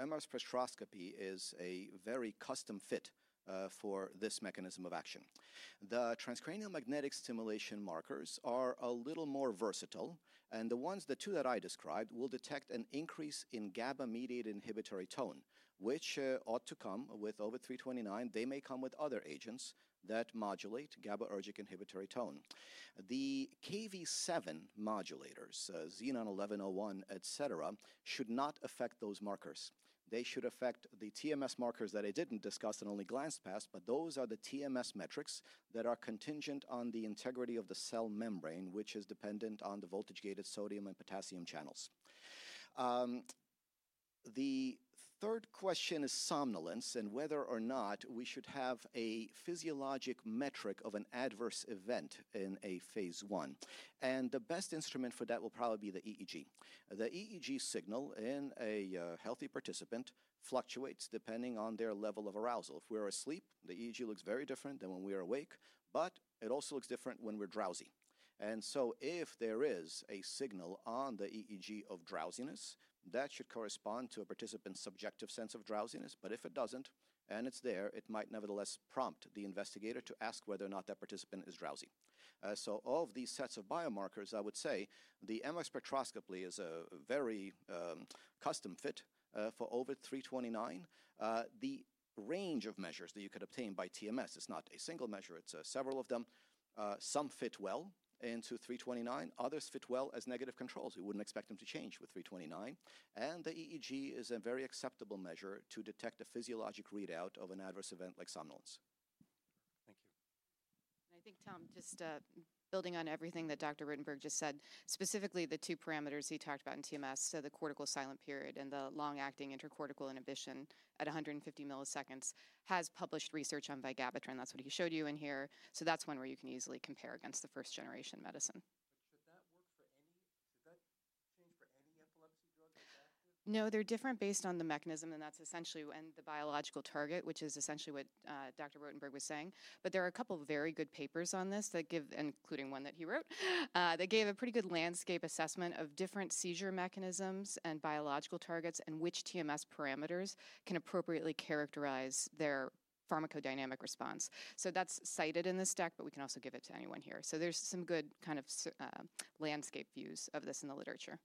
MR spectroscopy is a very custom fit for this mechanism of action. The transcranial magnetic stimulation markers are a little more versatile. The two that I described will detect an increase in GABA-mediated inhibitory tone, which ought to come with OV329. They may come with other agents that modulate GABA-ergic inhibitory tone. The KV7 modulators, Xenon 1101, et cetera, should not affect those markers. They should affect the TMS markers that I did not discuss and only glanced past. Those are the TMS metrics that are contingent on the integrity of the cell membrane, which is dependent on the voltage-gated sodium and potassium channels. The third question is somnolence and whether or not we should have a physiologic metric of an adverse event in a phase I. The best instrument for that will probably be the EEG. The EEG signal in a healthy participant fluctuates depending on their level of arousal. If we are asleep, the EEG looks very different than when we are awake. It also looks different when we are drowsy. If there is a signal on the EEG of drowsiness, that should correspond to a participant's subjective sense of drowsiness. If it does not and it is there, it might nevertheless prompt the investigator to ask whether or not that participant is drowsy. All of these sets of biomarkers, I would say the MR spectroscopy is a very custom fit for OV329. The range of measures that you could obtain by TMS, it's not a single measure. It's several of them. Some fit well into 329. Others fit well as negative controls. You wouldn't expect them to change with 329. The EEG is a very acceptable measure to detect a physiologic readout of an adverse event like somnolence. Thank you. I think, Tom, just building on everything that Dr. Rotenberg just said, specifically the two parameters he talked about in TMS, the cortical silent period and the long-interval intracortical inhibition at 150 ms, has published research on vigabatrin. That is what he showed you in here. That is one where you can easily compare against the first generation medicine. Should that work for any, should that change for any epilepsy drug that's active? No, they're different based on the mechanism. And that's essentially and the biological target, which is essentially what Dr. Rotenberg was saying. But there are a couple of very good papers on this that give including one that he wrote that gave a pretty good landscape assessment of different seizure mechanisms and biological targets and which TMS parameters can appropriately characterize their pharmacodynamic response. That's cited in this deck, but we can also give it to anyone here. There are some good kind of landscape views of this in the literature.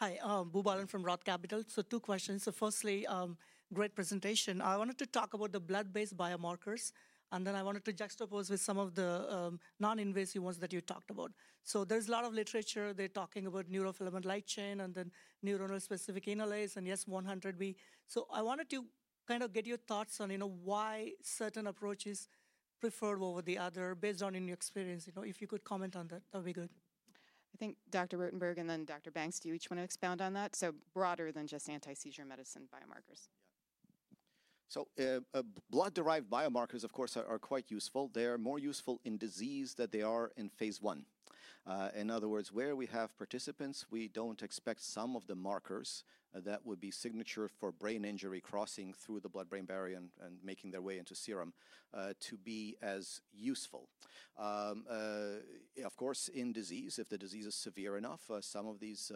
Hi. Boobalan from Roth Capital. Two questions. Firstly, great presentation. I wanted to talk about the blood-based biomarkers. I wanted to juxtapose with some of the non-invasive ones that you talked about. There is a lot of literature talking about neurofilament light chain and then neuronal specific enolase and S100B. I wanted to kind of get your thoughts on why certain approaches are preferred over the other based on your experience. If you could comment on that, that would be good. I think Dr. Rotenberg and then Dr. Banks, do you each want to expound on that? Broader than just anti-seizure medicine biomarkers. Yeah. Blood-derived biomarkers, of course, are quite useful. They are more useful in disease than they are in phase I. In other words, where we have participants, we do not expect some of the markers that would be signature for brain injury crossing through the blood-brain barrier and making their way into serum to be as useful. Of course, in disease, if the disease is severe enough, some of these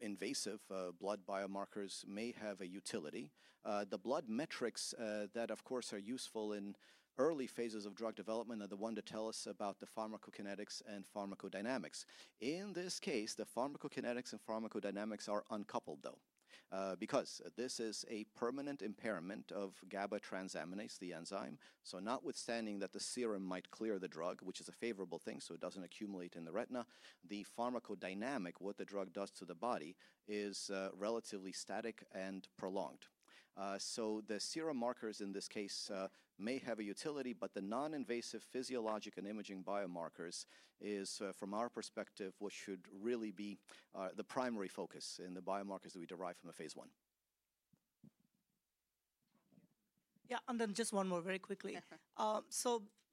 invasive blood biomarkers may have a utility. The blood metrics that, of course, are useful in early phases of drug development are the ones that tell us about the pharmacokinetics and pharmacodynamics. In this case, the pharmacokinetics and pharmacodynamics are uncoupled, though, because this is a permanent impairment of GABA aminotransferase, the enzyme. Notwithstanding that the serum might clear the drug, which is a favorable thing, so it does not accumulate in the retina, the pharmacodynamic, what the drug does to the body, is relatively static and prolonged. The serum markers in this case may have a utility, but the non-invasive physiologic and imaging biomarkers is, from our perspective, what should really be the primary focus in the biomarkers that we derive from a phase I. Yeah. And then just one more very quickly.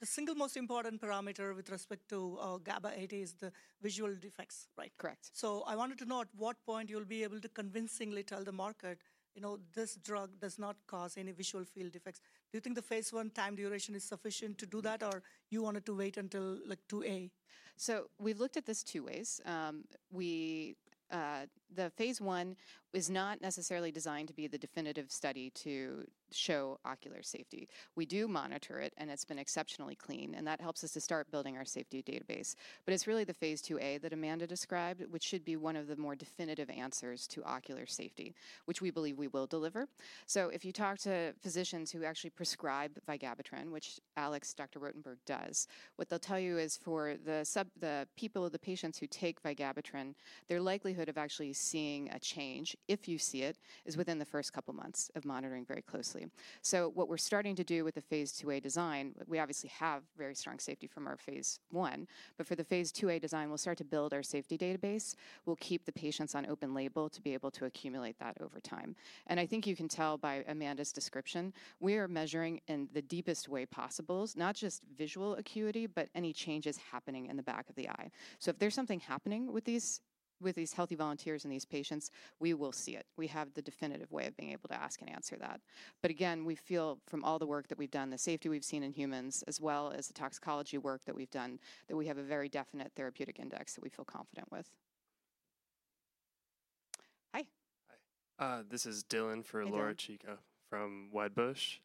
The single most important parameter with respect to GABA-AT is the visual defects, right? Correct. I wanted to know at what point you'll be able to convincingly tell the market, you know, this drug does not cause any visual field defects. Do you think the phase I time duration is sufficient to do that, or you wanted to wait until like II-A? We have looked at this two ways. The phase I is not necessarily designed to be the definitive study to show ocular safety. We do monitor it, and it has been exceptionally clean. That helps us to start building our safety database. It is really the phase II-A that Amanda described, which should be one of the more definitive answers to ocular safety, which we believe we will deliver. If you talk to physicians who actually prescribe vigabatrin, which Alex, Dr. Rotenberg, does, what they will tell you is for the people, the patients who take vigabatrin, their likelihood of actually seeing a change, if you see it, is within the first couple of months of monitoring very closely. What we are starting to do with the phase II-A design, we obviously have very strong safety from our phase I. For the phase II-A design, we'll start to build our safety database. We'll keep the patients on open label to be able to accumulate that over time. I think you can tell by Amanda's description, we are measuring in the deepest way possible, not just visual acuity, but any changes happening in the back of the eye. If there's something happening with these healthy volunteers and these patients, we will see it. We have the definitive way of being able to ask and answer that. Again, we feel from all the work that we've done, the safety we've seen in humans, as well as the toxicology work that we've done, that we have a very definite therapeutic index that we feel confident with. Hi. Hi. This is Dylan for Laura Chico from Wedbush.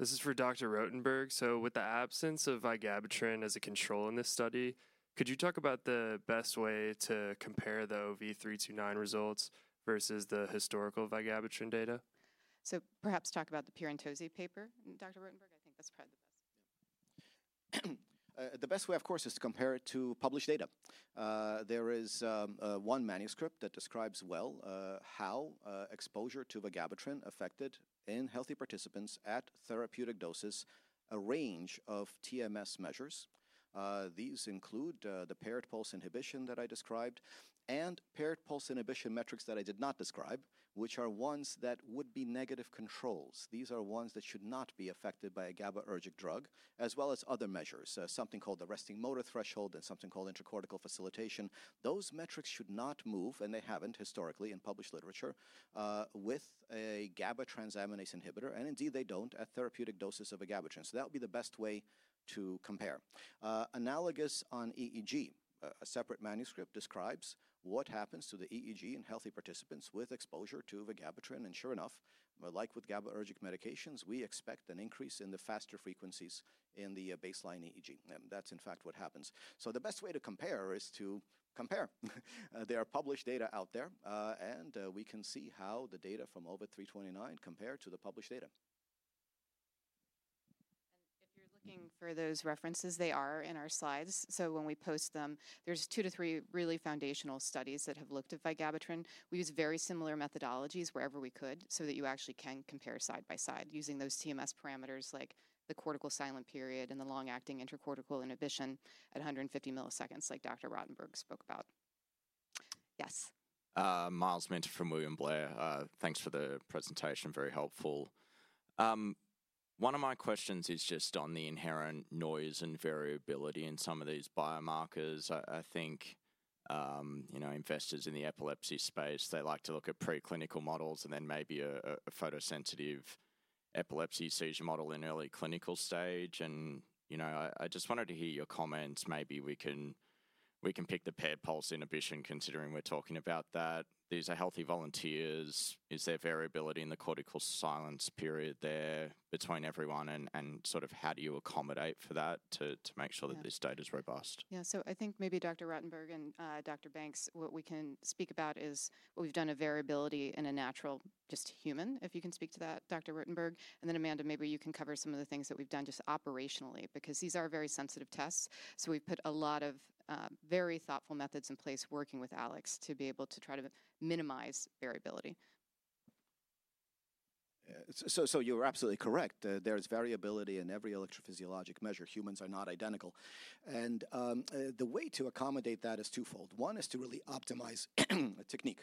This is for Dr. Rotenberg. With the absence of vigabatrin as a control in this study, could you talk about the best way to compare the OV329 results versus the historical vigabatrin data? Perhaps talk about the Piran Tosi paper, Dr. Rotenberg. I think that's probably the best. The best way, of course, is to compare it to published data. There is one manuscript that describes well how exposure to vigabatrin affected in healthy participants at therapeutic doses a range of TMS measures. These include the paired pulse inhibition that I described and paired pulse inhibition metrics that I did not describe, which are ones that would be negative controls. These are ones that should not be affected by a GABA-ergic drug, as well as other measures, something called the resting motor threshold and something called intracortical facilitation. Those metrics should not move, and they have not historically in published literature, with a GABA transaminase inhibitor. Indeed, they do not at therapeutic doses of vigabatrin. That would be the best way to compare. Analogous on EEG, a separate manuscript describes what happens to the EEG in healthy participants with exposure to vigabatrin. Sure enough, like with GABA-ergic medications, we expect an increase in the faster frequencies in the baseline EEG. That is, in fact, what happens. The best way to compare is to compare. There are published data out there, and we can see how the data from OV329 compare to the published data. If you're looking for those references, they are in our slides. When we post them, there are two to three really foundational studies that have looked at vigabatrin. We use very similar methodologies wherever we could so that you actually can compare side by side using those TMS parameters like the cortical silent period and the long-interval intracortical inhibition at 150 ms, like Dr. Rotenberg spoke about. Yes. Myles Minter from William Blair. Thanks for the presentation. Very helpful. One of my questions is just on the inherent noise and variability in some of these biomarkers. I think investors in the epilepsy space, they like to look at preclinical models and then maybe a photosensitive epilepsy seizure model in early clinical stage. I just wanted to hear your comments. Maybe we can pick the paired pulse inhibition considering we're talking about that. These are healthy volunteers. Is there variability in the cortical silent period there between everyone? And sort of how do you accommodate for that to make sure that this data is robust? Yeah. I think maybe Dr. Rotenberg and Dr. Banks, what we can speak about is we've done a variability in a natural just human, if you can speak to that, Dr. Rotenberg. Amanda, maybe you can cover some of the things that we've done just operationally because these are very sensitive tests. We've put a lot of very thoughtful methods in place working with Alex to be able to try to minimize variability. You're absolutely correct. There is variability in every electrophysiologic measure. Humans are not identical. The way to accommodate that is twofold. One is to really optimize technique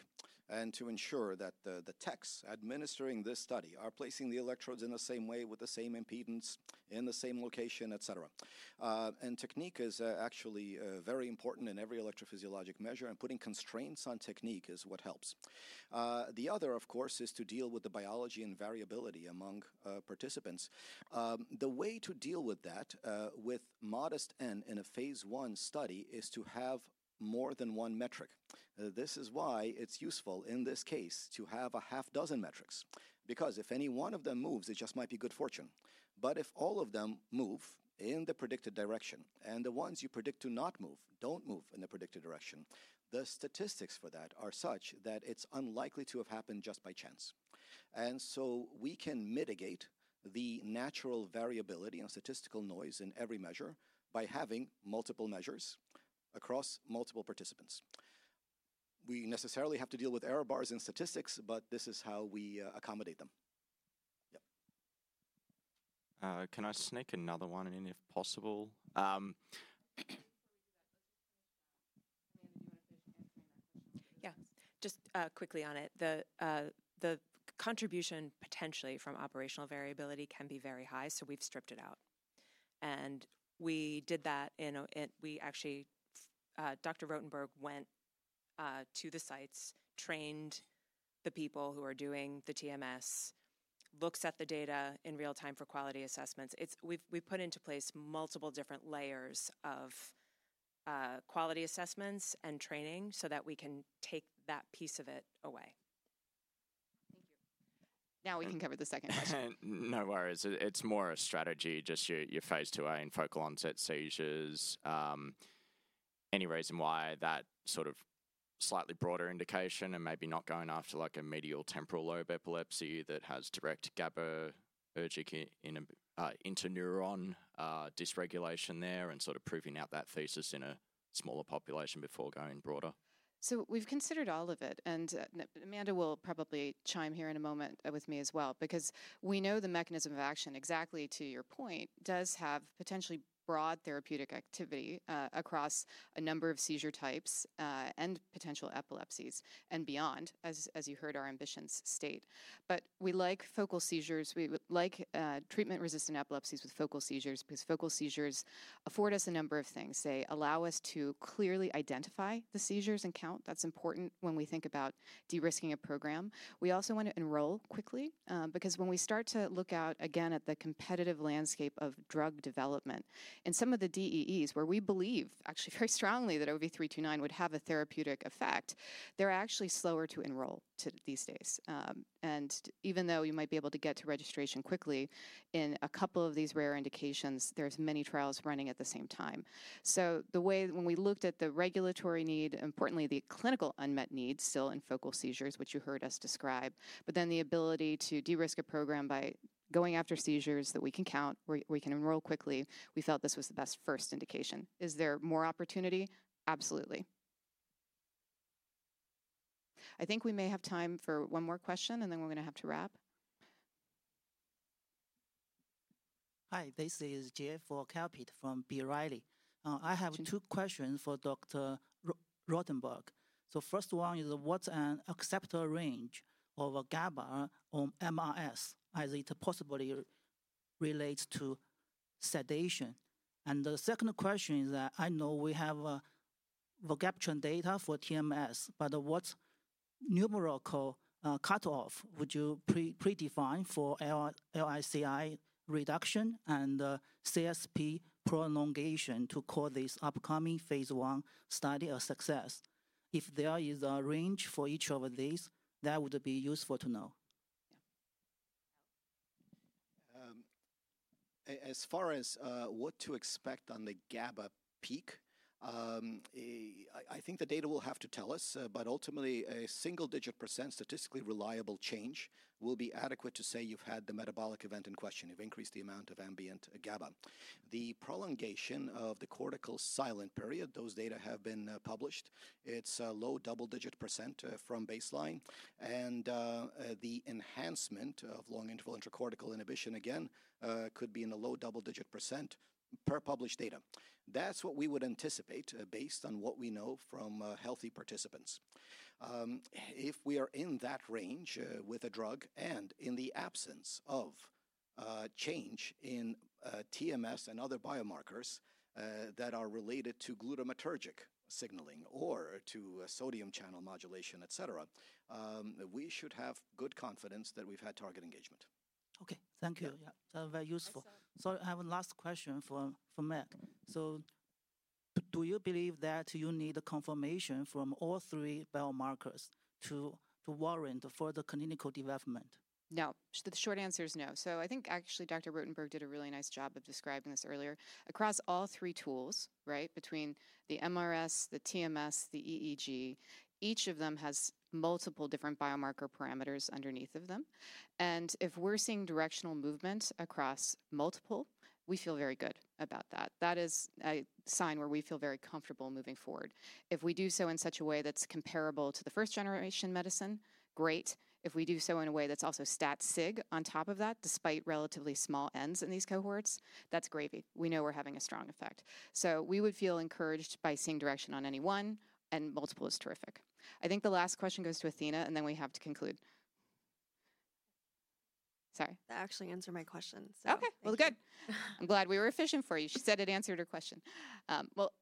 and to ensure that the techs administering this study are placing the electrodes in the same way with the same impedance in the same location, et cetera. Technique is actually very important in every electrophysiologic measure. Putting constraints on technique is what helps. The other, of course, is to deal with the biology and variability among participants. The way to deal with that with modest N in a phase I study is to have more than one metric. This is why it's useful in this case to have a half dozen metrics because if any one of them moves, it just might be good fortune. If all of them move in the predicted direction and the ones you predict to not move do not move in the predicted direction, the statistics for that are such that it is unlikely to have happened just by chance. We can mitigate the natural variability and statistical noise in every measure by having multiple measures across multiple participants. We necessarily have to deal with error bars in statistics, but this is how we accommodate them. Yeah. Can I sneak another one in, if possible? Before we do that, let's just finish that. Amanda, do you want to finish answering that question? Yeah. Just quickly on it. The contribution potentially from operational variability can be very high. So we've stripped it out. We did that in, we actually, Dr. Rotenberg went to the sites, trained the people who are doing the TMS, looks at the data in real time for quality assessments. We've put into place multiple different layers of quality assessments and training so that we can take that piece of it away. Thank you. Now we can cover the second question. No worries. It's more a strategy, just your phase II-A and focal onset seizures. Any reason why that sort of slightly broader indication and maybe not going after like a medial temporal lobe epilepsy that has direct GABA-ergic interneuron dysregulation there and sort of proving out that thesis in a smaller population before going broader? We have considered all of it. Amanda will probably chime here in a moment with me as well because we know the mechanism of action, exactly to your point, does have potentially broad therapeutic activity across a number of seizure types and potential epilepsies and beyond, as you heard our ambitions state. We like focal seizures. We like treatment-resistant epilepsies with focal seizures because focal seizures afford us a number of things. They allow us to clearly identify the seizures and count. That is important when we think about de-risking a program. We also want to enroll quickly because when we start to look out again at the competitive landscape of drug development and some of the DEEs where we believe actually very strongly that OV329 would have a therapeutic effect, they are actually slower to enroll these days. Even though you might be able to get to registration quickly in a couple of these rare indications, there are many trials running at the same time. The way we looked at the regulatory need, importantly, the clinical unmet need still in focal seizures, which you heard us describe, but then the ability to de-risk a program by going after seizures that we can count, we can enroll quickly, we felt this was the best first indication. Is there more opportunity? Absolutely. I think we may have time for one more question, and then we're going to have to wrap. Hi. This is Jeff Vorkapit from B. Riley. I have two questions for Dr. Rotenberg. First one is what's an acceptable range of GABA on MRS as it possibly relates to sedation? The second question is that I know we have vigabatrin data for TMS, but what numerical cutoff would you pre-define for LICI reduction and CSP prolongation to call this upcoming phase I study a success? If there is a range for each of these, that would be useful to know. As far as what to expect on the GABA peak, I think the data will have to tell us. Ultimately, a single-digit % statistically reliable change will be adequate to say you've had the metabolic event in question. You've increased the amount of ambient GABA. The prolongation of the cortical silent period, those data have been published. It's a low double-digit % from baseline. The enhancement of long-interval intracortical inhibition, again, could be in the low double-digit % per published data. That's what we would anticipate based on what we know from healthy participants. If we are in that range with a drug and in the absence of change in TMS and other biomarkers that are related to glutamatergic signaling or to sodium channel modulation, et cetera, we should have good confidence that we've had target engagement. OK. Thank you. Yeah, that's very useful. I have a last question for Meg. Do you believe that you need a confirmation from all three biomarkers to warrant further clinical development? No. The short answer is no. I think actually Dr. Rotenberg did a really nice job of describing this earlier. Across all three tools, right, between the MRS, the TMS, the EEG, each of them has multiple different biomarker parameters underneath of them. If we're seeing directional movement across multiple, we feel very good about that. That is a sign where we feel very comfortable moving forward. If we do so in such a way that's comparable to the first-generation medicine, great. If we do so in a way that's also stat-sig on top of that, despite relatively small ends in these cohorts, that's gravy. We know we're having a strong effect. We would feel encouraged by seeing direction on any one, and multiple is terrific. I think the last question goes to Athena, and then we have to conclude. Sorry. That actually answered my question. OK. Good. I'm glad we were efficient for you. She said it answered her question.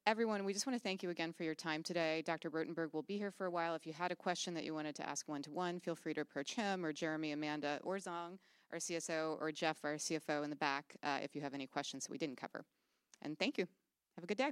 Everyone, we just want to thank you again for your time today. Dr. Rotenberg will be here for a while. If you had a question that you wanted to ask one-to-one, feel free to approach him or Jeremy, Amanda, or Zhong, our CSO, or Jeff, our CFO in the back if you have any questions that we did not cover. Thank you. Have a good day.